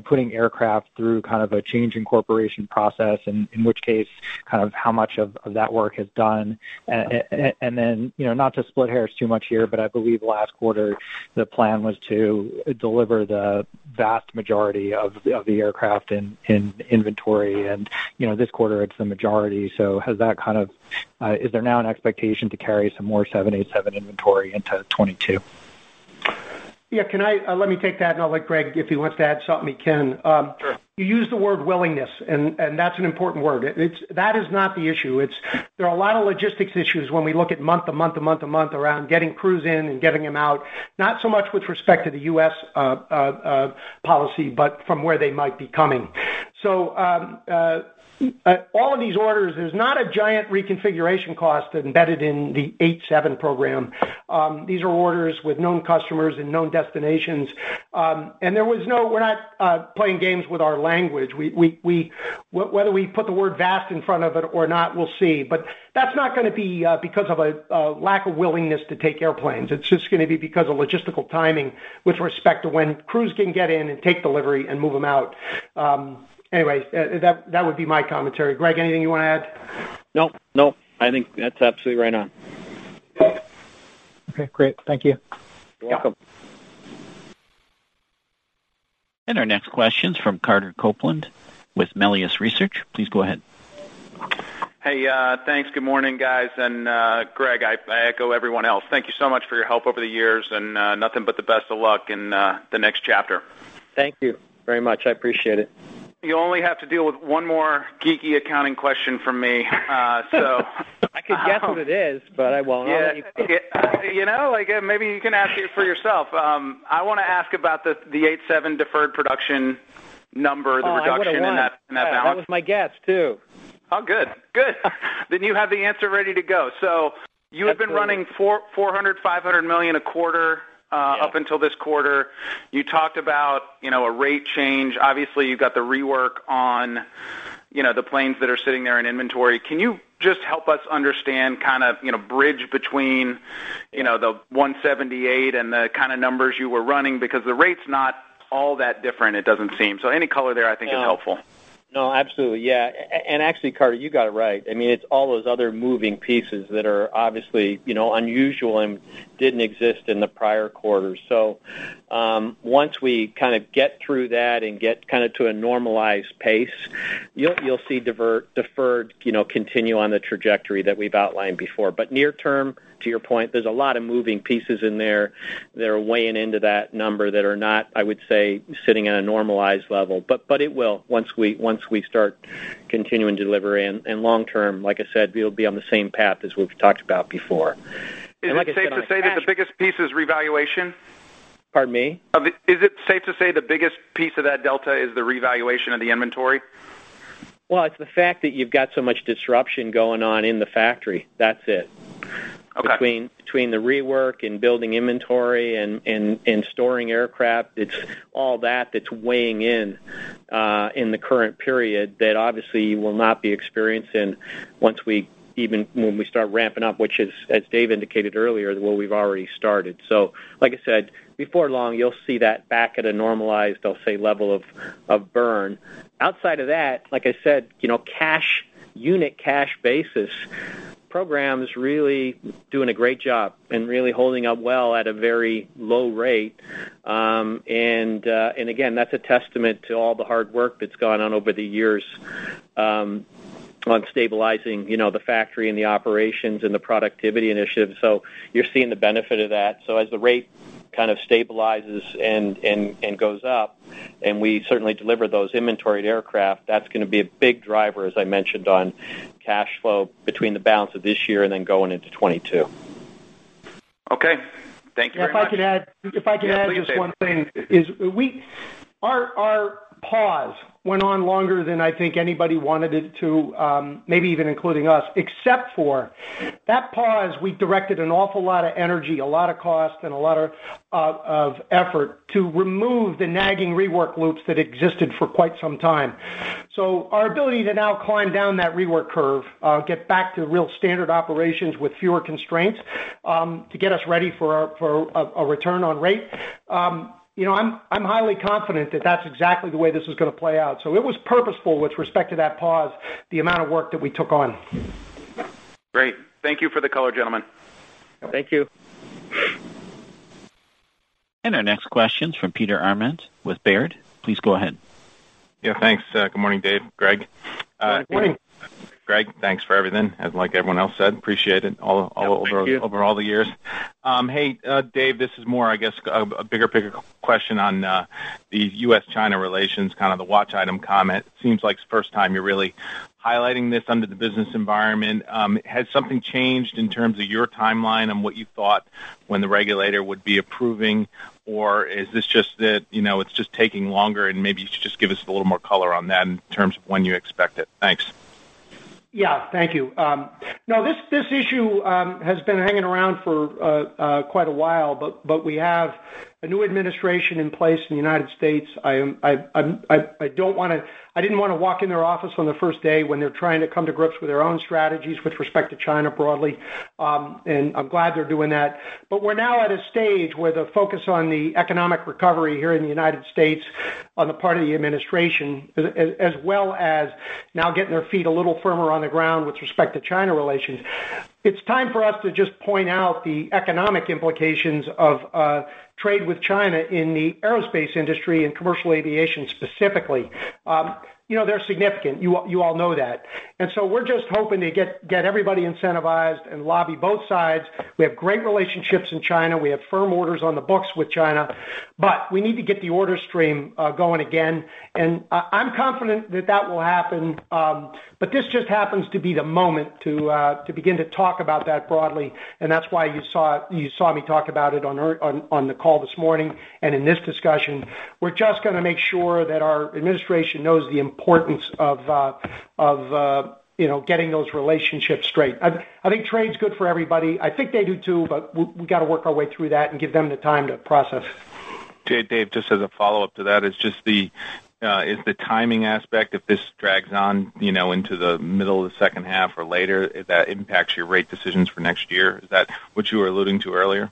putting aircraft through kind of a change in configuration process? In which case, how much of that work is done? Then, not to split hairs too much here, but I believe last quarter, the plan was to deliver the vast majority of the aircraft in inventory. This quarter, it's the majority. Is there now an expectation to carry some more 787 inventory into 2022? Yeah, let me take that, and I'll let Greg, if he wants to add something, he can. Sure. You used the word willingness, that's an important word. That is not the issue. There are a lot of logistics issues when we look at month to month to month around getting crews in and getting them out, not so much with respect to the U.S. policy, but from where they might be coming. All of these orders, there's not a giant reconfiguration cost embedded in the 787 program. These are orders with known customers and known destinations. We're not playing games with our language. Whether we put the word vast in front of it or not, we'll see. That's not going to be because of a lack of willingness to take airplanes. It's just going to be because of logistical timing with respect to when crews can get in and take delivery and move them out. Anyway, that would be my commentary. Greg, anything you want to add? No. I think that's absolutely right on. Okay, great. Thank you. You're welcome. Our next question's from Carter Copeland with Melius Research. Please go ahead. Hey, thanks. Good morning, guys. Greg, I echo everyone else. Thank you so much for your help over the years, and nothing but the best of luck in the next chapter. Thank you very much. I appreciate it. You only have to deal with one more geeky accounting question from me. I could guess what it is, but I won't ask you. You know, maybe you can ask it for yourself. I want to ask about the 787 deferred production number, the reduction in that balance. Oh, I would want to. That was my guess, too. Oh, good. Then you have the answer ready to go. You had been running $400 million, $500 million a quarter up until this quarter. You talked about a rate change. Obviously, you've got the rework on the planes that are sitting there in inventory. Can you just help us understand, kind of bridge between the 178 and the kind of numbers you were running, because the rate's not all that different, it doesn't seem. Any color there I think is helpful. No, absolutely. Yeah. Actually, Carter, you got it right. It's all those other moving pieces that are obviously unusual and didn't exist in the prior quarters. Once we kind of get through that and get to a normalized pace, you'll see deferred continue on the trajectory that we've outlined before. Near term, to your point, there's a lot of moving pieces in there that are weighing into that number that are not, I would say, sitting at a normalized level. It will, once we start continuing delivery. Long term, like I said, we'll be on the same path as we've talked about before. Is it safe to say that the biggest piece is revaluation? Pardon me? Is it safe to say the biggest piece of that delta is the revaluation of the inventory? Well, it's the fact that you've got so much disruption going on in the factory. That's it. Okay. Between the rework and building inventory and storing aircraft, it's all that that's weighing in the current period that obviously you will not be experiencing even when we start ramping up, which is, as Dave indicated earlier, well, we've already started. like I said, before long you'll see that back at a normalized, I'll say, level of burn. Outside of that, like I said, unit cash basis, program is really doing a great job and really holding up well at a very low rate. Again, that's a testament to all the hard work that's gone on over the years on stabilizing the factory and the operations and the productivity initiatives. You're seeing the benefit of that. As the rate kind of stabilizes and goes up, and we certainly deliver those inventoried aircraft, that's going to be a big driver, as I mentioned, on cash flow between the balance of this year and then going into 2022. Okay. Thank you very much. If I could add just one thing. Yeah, please, Dave. Our pause went on longer than I think anybody wanted it to, maybe even including us. Except for that pause, we directed an awful lot of energy, a lot of cost, and a lot of effort to remove the nagging rework loops that existed for quite some time. Our ability to now climb down that rework curve, get back to real standard operations with fewer constraints, to get us ready for a return on rate. I'm highly confident that that's exactly the way this is going to play out. It was purposeful with respect to that pause, the amount of work that we took on. Great. Thank you for the color, gentlemen. Thank you. Our next question's from Peter Arment with Baird. Please go ahead. Yeah, thanks. Good morning, Dave, Gregory. Good morning. Greg, thanks for everything, like everyone else said, appreciate it over all the years. Thank you. Hey, Dave, this is more, I guess, a bigger picture question on the U.S.-China relations, kind of the watch item comment. Seems like it's the first time you're really highlighting this under the business environment. Has something changed in terms of your timeline and what you thought when the regulator would be approving, or is this just that it's just taking longer, and maybe you could just give us a little more color on that in terms of when you expect it. Thanks. Yeah. Thank you. This issue has been hanging around for quite a while, but we have a new administration in place in the United States. I didn't want to walk in their office on the first day when they're trying to come to grips with their own strategies with respect to China broadly. I'm glad they're doing that. We're now at a stage where the focus on the economic recovery here in the United States on the part of the administration, as well as now getting their feet a little firmer on the ground with respect to China relations. It's time for us to just point out the economic implications of trade with China in the aerospace industry and commercial aviation specifically. They're significant. You all know that. We're just hoping to get everybody incentivized and lobby both sides. We have great relationships in China. We have firm orders on the books with China. We need to get the order stream going again. I'm confident that that will happen. This just happens to be the moment to begin to talk about that broadly, and that's why you saw me talk about it on the call this morning and in this discussion. We're just going to make sure that our administration knows the importance of getting those relationships straight. I think trade's good for everybody. I think they do too, but we got to work our way through that and give them the time to process. Dave, just as a follow-up to that, is the timing aspect, if this drags on into the middle of the second half or later, that impacts your rate decisions for next year? Is that what you were alluding to earlier?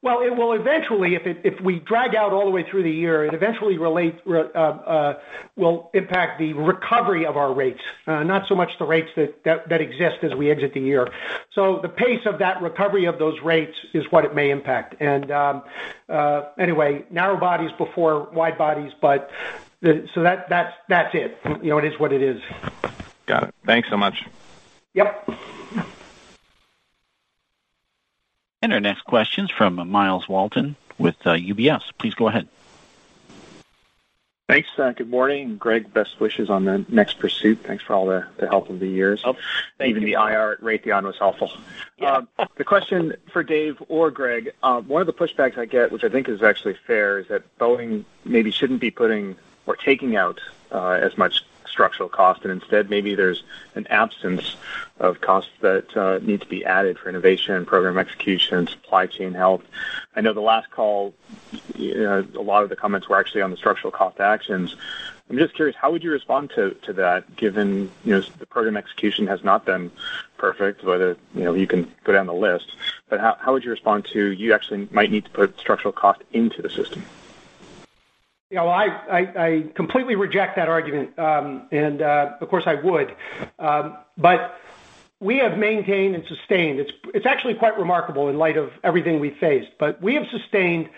It will eventually. If we drag out all the way through the year, it eventually will impact the recovery of our rates, not so much the rates that exist as we exit the year. The pace of that recovery of those rates is what it may impact. Anyway, narrow bodies before wide bodies, so that's it. It is what it is. Got it. Thanks so much. Yep. Our next question's from Myles Walton with UBS. Please go ahead. Thanks. Good morning. Greg, best wishes on the next pursuit. Thanks for all the help over the years. Oh, thank you. Even the IR at Raytheon was helpful. Yeah. The question for Dave or Greg, one of the pushbacks I get, which I think is actually fair, is that The Boeing Company maybe shouldn't be putting or taking out as much structural cost, and instead maybe there's an absence of costs that need to be added for innovation, program execution, supply chain health. I know the last call, a lot of the comments were actually on the structural cost actions. I'm just curious, how would you respond to that given the program execution has not been perfect. Whether you can go down the list, but how would you respond to you actually might need to put structural cost into the system? Yeah. Well, I completely reject that argument. Of course, I would. We have maintained and sustained. It's actually quite remarkable in light of everything we faced, but we have sustained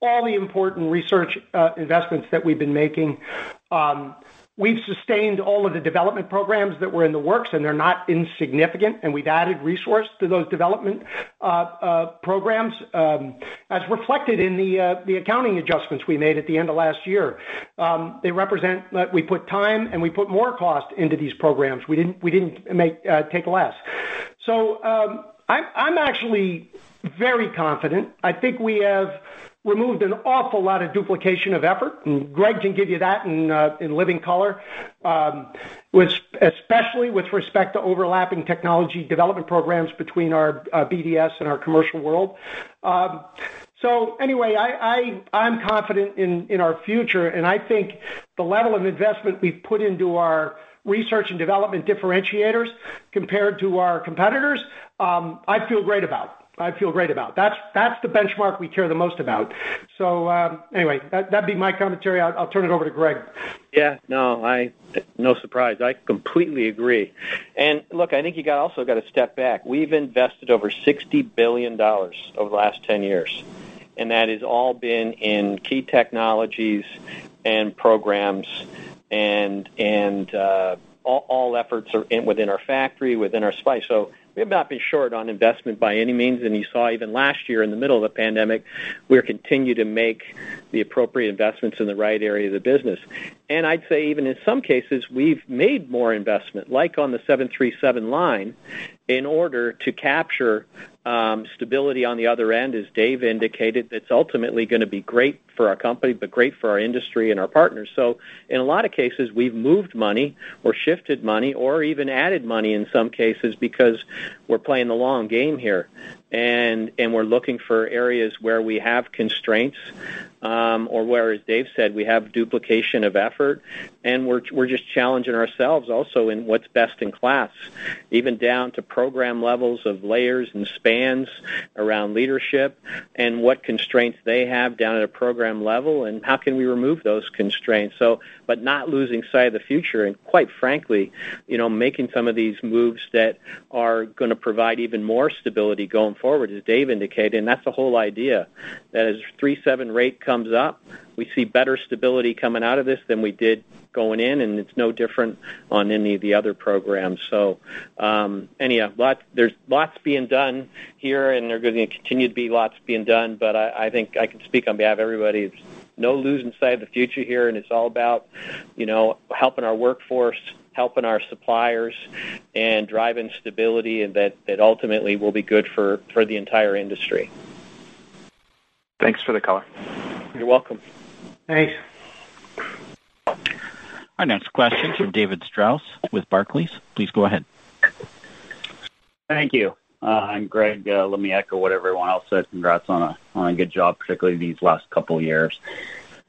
all the important research investments that we've been making. We've sustained all of the development programs that were in the works, and they're not insignificant, and we've added resource to those development programs, as reflected in the accounting adjustments we made at the end of last year. They represent that we put time and we put more cost into these programs. We didn't take less. I'm actually very confident. I think we have removed an awful lot of duplication of effort, and Greg can give you that in living color, especially with respect to overlapping technology development programs between our BDS and our commercial world. Anyway, I'm confident in our future, and I think the level of investment we've put into our research and development differentiators compared to our competitors, I feel great about. That's the benchmark we care the most about. Anyway, that'd be my commentary. I'll turn it over to Greg. Yeah. No. No surprise. I completely agree. Look, I think you also got to step back. We've invested over $60 billion over the last 10 years, and that has all been in key technologies and programs and all efforts within our factory, within our supply. We've not been short on investment by any means. You saw even last year in the middle of the pandemic, we're continuing to make the appropriate investments in the right area of the business. I'd say even in some cases, we've made more investment, like on the 737 line, in order to capture stability on the other end, as Dave indicated, that's ultimately going to be great for our company, but great for our industry and our partners. In a lot of cases, we've moved money or shifted money or even added money in some cases because we're playing the long game here, and we're looking for areas where we have constraints, or where, as Dave said, we have duplication of effort, and we're just challenging ourselves also in what's best in class, even down to program levels of layers and spans around leadership and what constraints they have down at a program level, and how can we remove those constraints, but not losing sight of the future, and quite frankly, making some of these moves that are going to provide even more stability going forward, as Dave indicated, and that's the whole idea. As 737 rate comes up, we see better stability coming out of this than we did going in, and it's no different on any of the other programs. Anyhow, there's lots being done here, and they're going to continue to be lots being done, but I think I can speak on behalf of everybody, there's no losing sight of the future here, and it's all about helping our workforce, helping our suppliers, and driving stability, and that ultimately will be good for the entire industry. Thanks for the color. You're welcome. Thanks. Our next question from David Strauss with Barclays. Please go ahead. Thank you. Greg, let me echo what everyone else said. Congrats on a good job, particularly these last couple of years.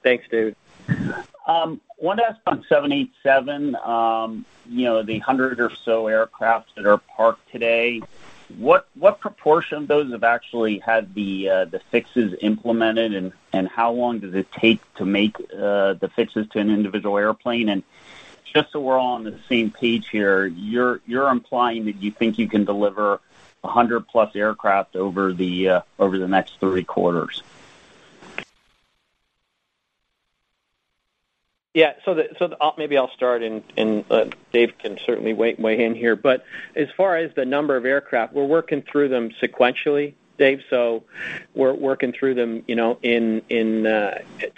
Thanks, Dave. Wanted to ask on 787, the 100 or so aircraft that are parked today, what proportion of those have actually had the fixes implemented, and how long does it take to make the fixes to an individual airplane? Just so we're all on the same page here, you're implying that you think you can deliver 100 plus aircraft over the next three quarters? Yeah. Maybe I'll start and Dave can certainly weigh in here. As far as the number of aircraft, we're working through them sequentially, Dave. We're working through them in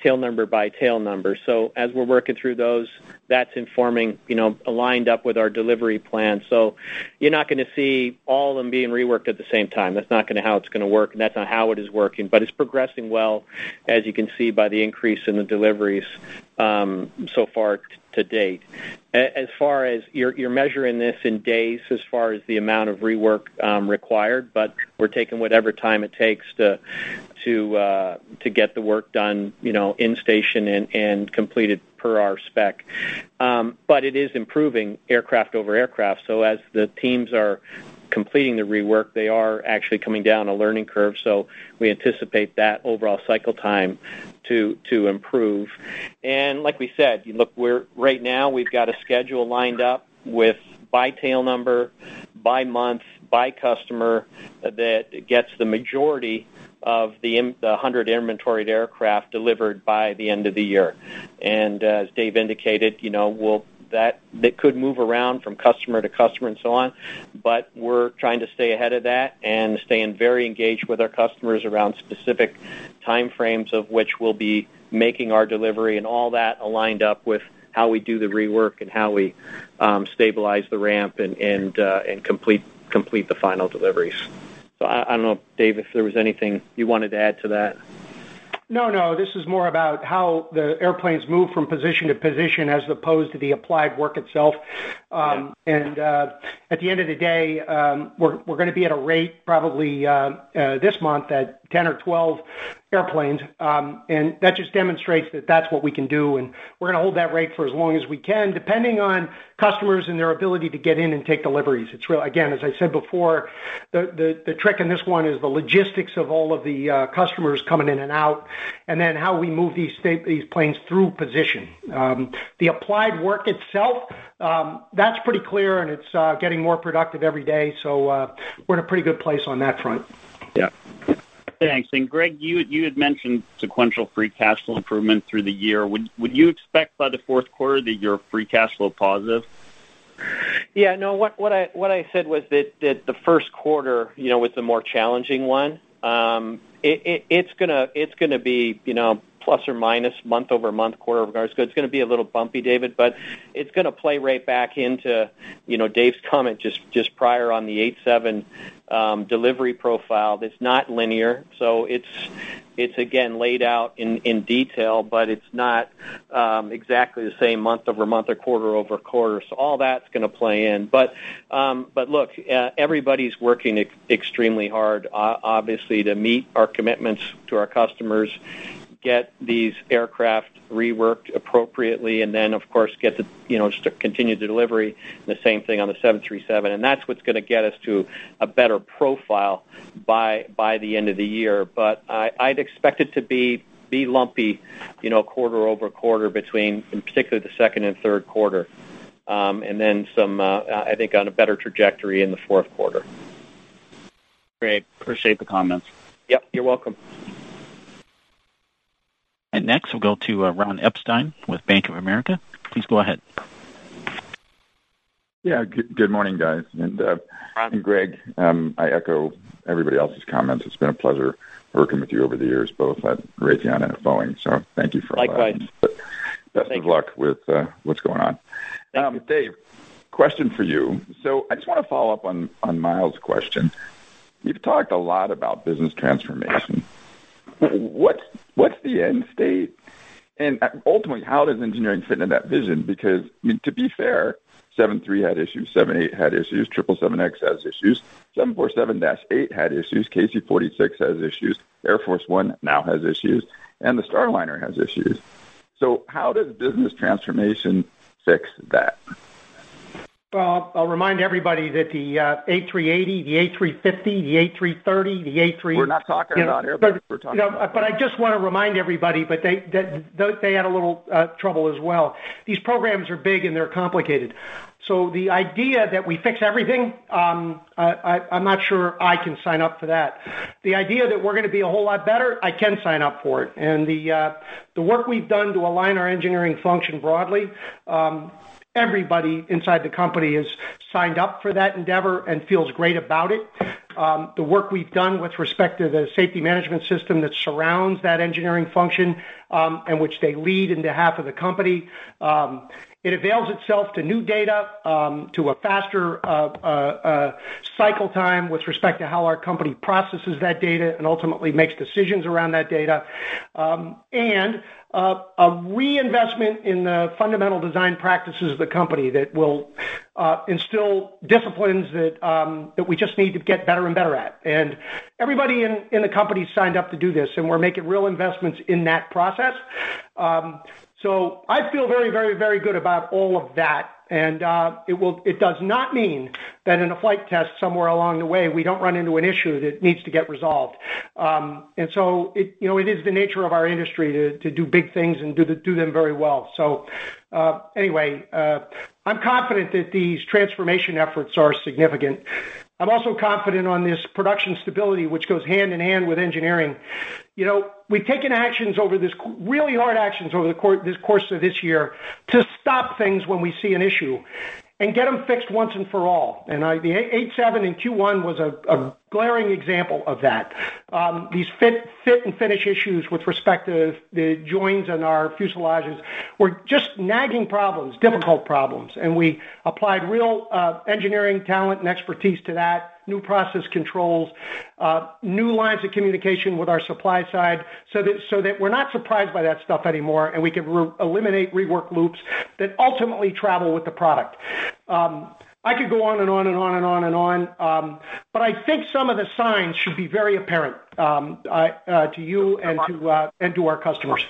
tail number by tail number. As we're working through those, that's informing, aligned up with our delivery plan. You're not going to see all of them being reworked at the same time. That's not how it's going to work, and that's not how it is working, it's progressing well, as you can see by the increase in the deliveries so far to date. As far as you're measuring this in days as far as the amount of rework required, we're taking whatever time it takes to get the work done in station and completed per our spec. It is improving aircraft over aircraft. As the teams are completing the rework, they are actually coming down a learning curve. We anticipate that overall cycle time to improve. Like we said, look, right now we've got a schedule lined up with by tail number, by month, by customer that gets the majority of the 100 inventoried aircraft delivered by the end of the year. As Dave indicated, that could move around from customer to customer and so on, but we're trying to stay ahead of that and staying very engaged with our customers around specific time frames of which we'll be making our delivery and all that aligned up with how we do the rework and how we stabilize the ramp and complete the final deliveries. I don't know, Dave, if there was anything you wanted to add to that. No, this is more about how the airplanes move from position to position as opposed to the applied work itself. Yeah. At the end of the day, we're going to be at a rate probably this month at 10 or 12 airplanes. That just demonstrates that that's what we can do, and we're going to hold that rate for as long as we can, depending on customers and their ability to get in and take deliveries. Again, as I said before, the trick in this one is the logistics of all of the customers coming in and out, and then how we move these planes through position. The applied work itself, that's pretty clear and it's getting more productive every day. We're in a pretty good place on that front. Yeah. Thanks. Greg, you had mentioned sequential free cash flow improvement through the year. Would you expect by the fourth quarter that you're free cash flow positive? Yeah, no, what I said was that the first quarter was the more challenging one. It's going to be plus or minus month-over-month, quarter-over-quarter. It's going to be a little bumpy, David, but it's going to play right back into Dave's comment just prior on the 787 delivery profile that's not linear. It's, again, laid out in detail, but it's not exactly the same month-over-month or quarter-over-quarter. All that's going to play in. Look, everybody's working extremely hard, obviously, to meet our commitments to our customers, get these aircraft reworked appropriately, and then, of course, continue the delivery, and the same thing on the 737. That's what's going to get us to a better profile by the end of the year. I'd expect it to be lumpy quarter-over-quarter between, in particular, the second and third quarter. Then some, I think, on a better trajectory in the fourth quarter. Great. Appreciate the comments. Yep. You're welcome. Next, we'll go to Ron Epstein with Bank of America. Please go ahead. Yeah. Good morning, guys. Ron. Greg, I echo everybody else's comments. It's been a pleasure working with you over the years, both at Raytheon and at Boeing. Thank you for. Likewise. Best of luck with what's going on. Thank you. Dave, question for you. I just want to follow up on Myles' question. You've talked a lot about business transformation. What's the end state? Ultimately, how does engineering fit into that vision? To be fair, 7-3 had issues, 7-8 had issues, 777X has issues, 747-8 had issues, KC-46 has issues, Air Force One now has issues, and the Starliner has issues. How does business transformation fix that? Well, I'll remind everybody that the A380, the A350, the A330, the A3-. We're not talking about airplanes. I just want to remind everybody, but they had a little trouble as well. These programs are big and they're complicated. The idea that we fix everything, I'm not sure I can sign up for that. The idea that we're going to be a whole lot better, I can sign up for it. The work we've done to align our engineering function broadly, everybody inside the company has signed up for that endeavor and feels great about it. The work we've done with respect to the safety management system that surrounds that engineering function, and which they lead into half of the company, it avails itself to new data, to a faster cycle time with respect to how our company processes that data and ultimately makes decisions around that data, and a reinvestment in the fundamental design practices of the company that will instill disciplines that we just need to get better and better at. Everybody in the company signed up to do this, and we're making real investments in that process. I feel very good about all of that. It does not mean that in a flight test somewhere along the way, we don't run into an issue that needs to get resolved. It is the nature of our industry to do big things and do them very well. I'm confident that these transformation efforts are significant. I'm also confident on this production stability, which goes hand in hand with engineering. We've taken really hard actions over this course of this year to stop things when we see an issue and get them fixed once and for all. The 787 in Q1 was a glaring example of that. These fit and finish issues with respect to the joins in our fuselages were just nagging problems, difficult problems, and we applied real engineering talent and expertise to that, new process controls, new lines of communication with our supply side so that we're not surprised by that stuff anymore, and we can eliminate rework loops that ultimately travel with the product. I could go on and on. I think some of the signs should be very apparent to you and to our customers.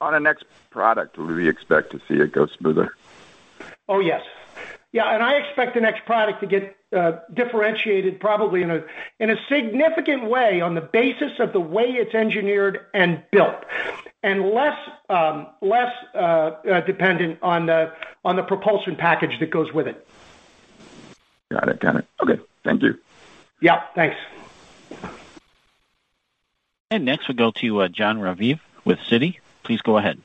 On the next product, would we expect to see it go smoother? Oh, yes. Yeah, I expect the next product to get differentiated probably in a significant way on the basis of the way it's engineered and built, and less dependent on the propulsion package that goes with it. Got it. Okay. Thank you. Yeah. Thanks. Next, we'll go to Jon Raviv with Citi. Please go ahead.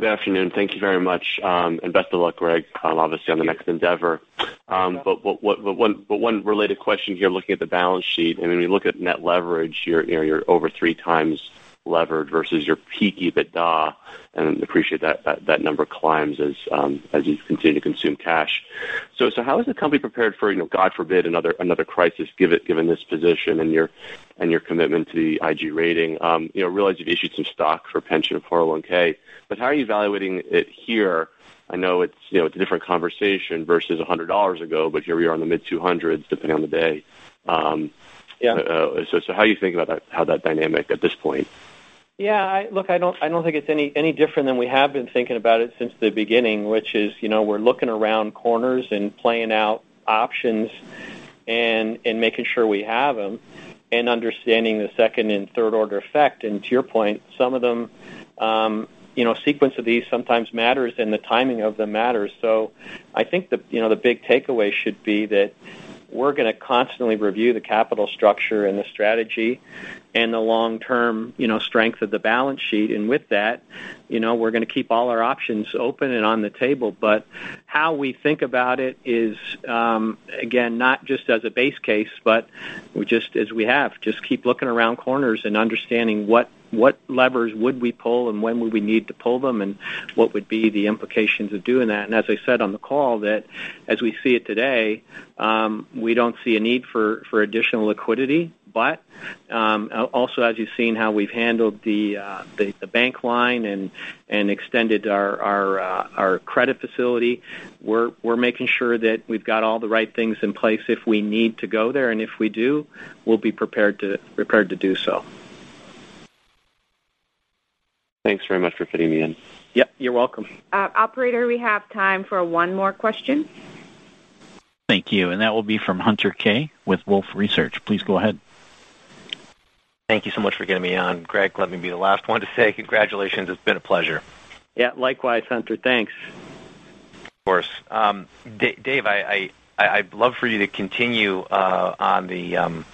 Good afternoon. Thank you very much. Best of luck, Greg, obviously on the next endeavor. One related question here, looking at the balance sheet, when you look at net leverage, you're over three times levered versus your peak EBITDA, and appreciate that number climbs as you continue to consume cash. How is the company prepared for, God forbid, another crisis, given this position and your commitment to the IG rating? I realize you've issued some stock for pension and 401(k), but how are you evaluating it here? I know it's a different conversation versus $100 ago, but here we are in the mid-200s, depending on the day. Yeah. How are you thinking about how that dynamic at this point? Look, I don't think it's any different than we have been thinking about it since the beginning, which is, we're looking around corners and playing out options and making sure we have them and understanding the second and third order effect. To your point, some of them, sequence of these sometimes matters and the timing of them matters. I think the big takeaway should be that we're going to constantly review the capital structure and the strategy and the long-term strength of the balance sheet. With that, we're going to keep all our options open and on the table. How we think about it is, again, not just as a base case, but as we have, just keep looking around corners and understanding what levers would we pull and when would we need to pull them, and what would be the implications of doing that. As I said on the call that as we see it today, we don't see a need for additional liquidity. Also as you've seen how we've handled the bank line and extended our credit facility, we're making sure that we've got all the right things in place if we need to go there. If we do, we'll be prepared to do so. Thanks very much for fitting me in. Yep, you're welcome. Operator, we have time for one more question. Thank you. That will be from Hunter Keay with Wolfe Research. Please go ahead. Thank you so much for getting me on. Greg, let me be the last one to say congratulations. It has been a pleasure. Yeah, likewise, Hunter. Thanks. Of course. Dave, I'd love for you to continue on the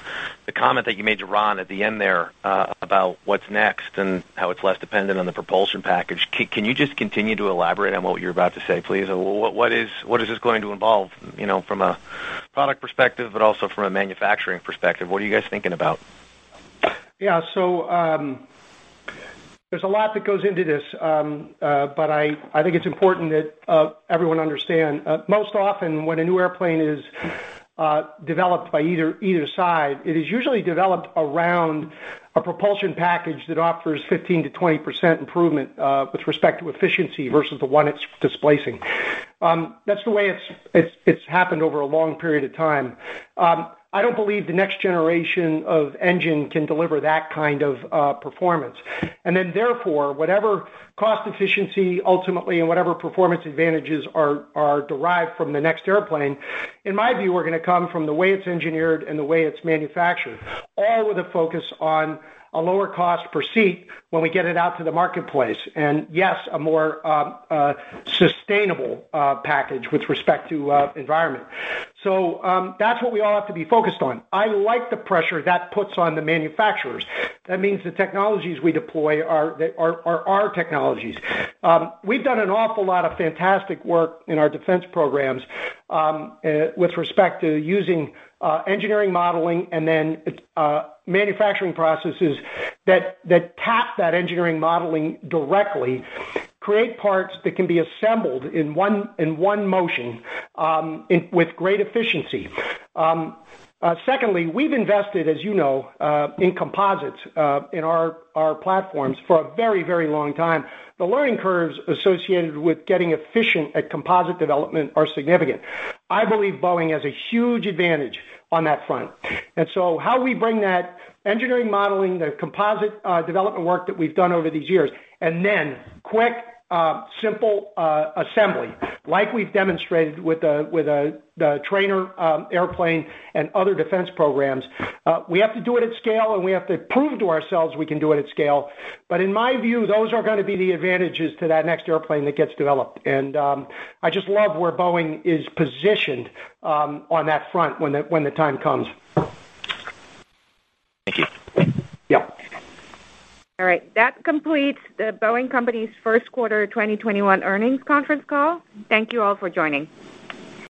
comment that you made to Ron Epstein at the end there, about what's next and how it's less dependent on the propulsion package. Can you just continue to elaborate on what you're about to say, please? What is this going to involve, from a product perspective, but also from a manufacturing perspective, what are you guys thinking about? Yeah. There's a lot that goes into this, but I think it's important that everyone understand. Most often, when a new airplane is developed by either side, it is usually developed around a propulsion package that offers 15%-20% improvement, with respect to efficiency versus the one it's displacing. That's the way it's happened over a long period of time. I don't believe the next generation of engine can deliver that kind of performance. Therefore, whatever cost efficiency ultimately, and whatever performance advantages are derived from the next airplane, in my view, are going to come from the way it's engineered and the way it's manufactured, all with a focus on a lower cost per seat when we get it out to the marketplace. Yes, a more sustainable package with respect to environment. That's what we all have to be focused on. I like the pressure that puts on the manufacturers. That means the technologies we deploy are our technologies. We've done an awful lot of fantastic work in our defense programs with respect to using engineering modeling, then manufacturing processes that tap that engineering modeling directly, create parts that can be assembled in one motion with great efficiency. Secondly, we've invested, as you know, in composites in our platforms for a very, very long time. The learning curves associated with getting efficient at composite development are significant. I believe Boeing has a huge advantage on that front. How we bring that engineering modeling, the composite development work that we've done over these years, then quick, simple assembly, like we've demonstrated with the trainer airplane and other defense programs. We have to do it at scale, we have to prove to ourselves we can do it at scale. In my view, those are going to be the advantages to that next airplane that gets developed. I just love where Boeing is positioned on that front when the time comes. Thank you. Yeah. All right. That completes The Boeing Company's first quarter 2021 earnings conference call. Thank you all for joining.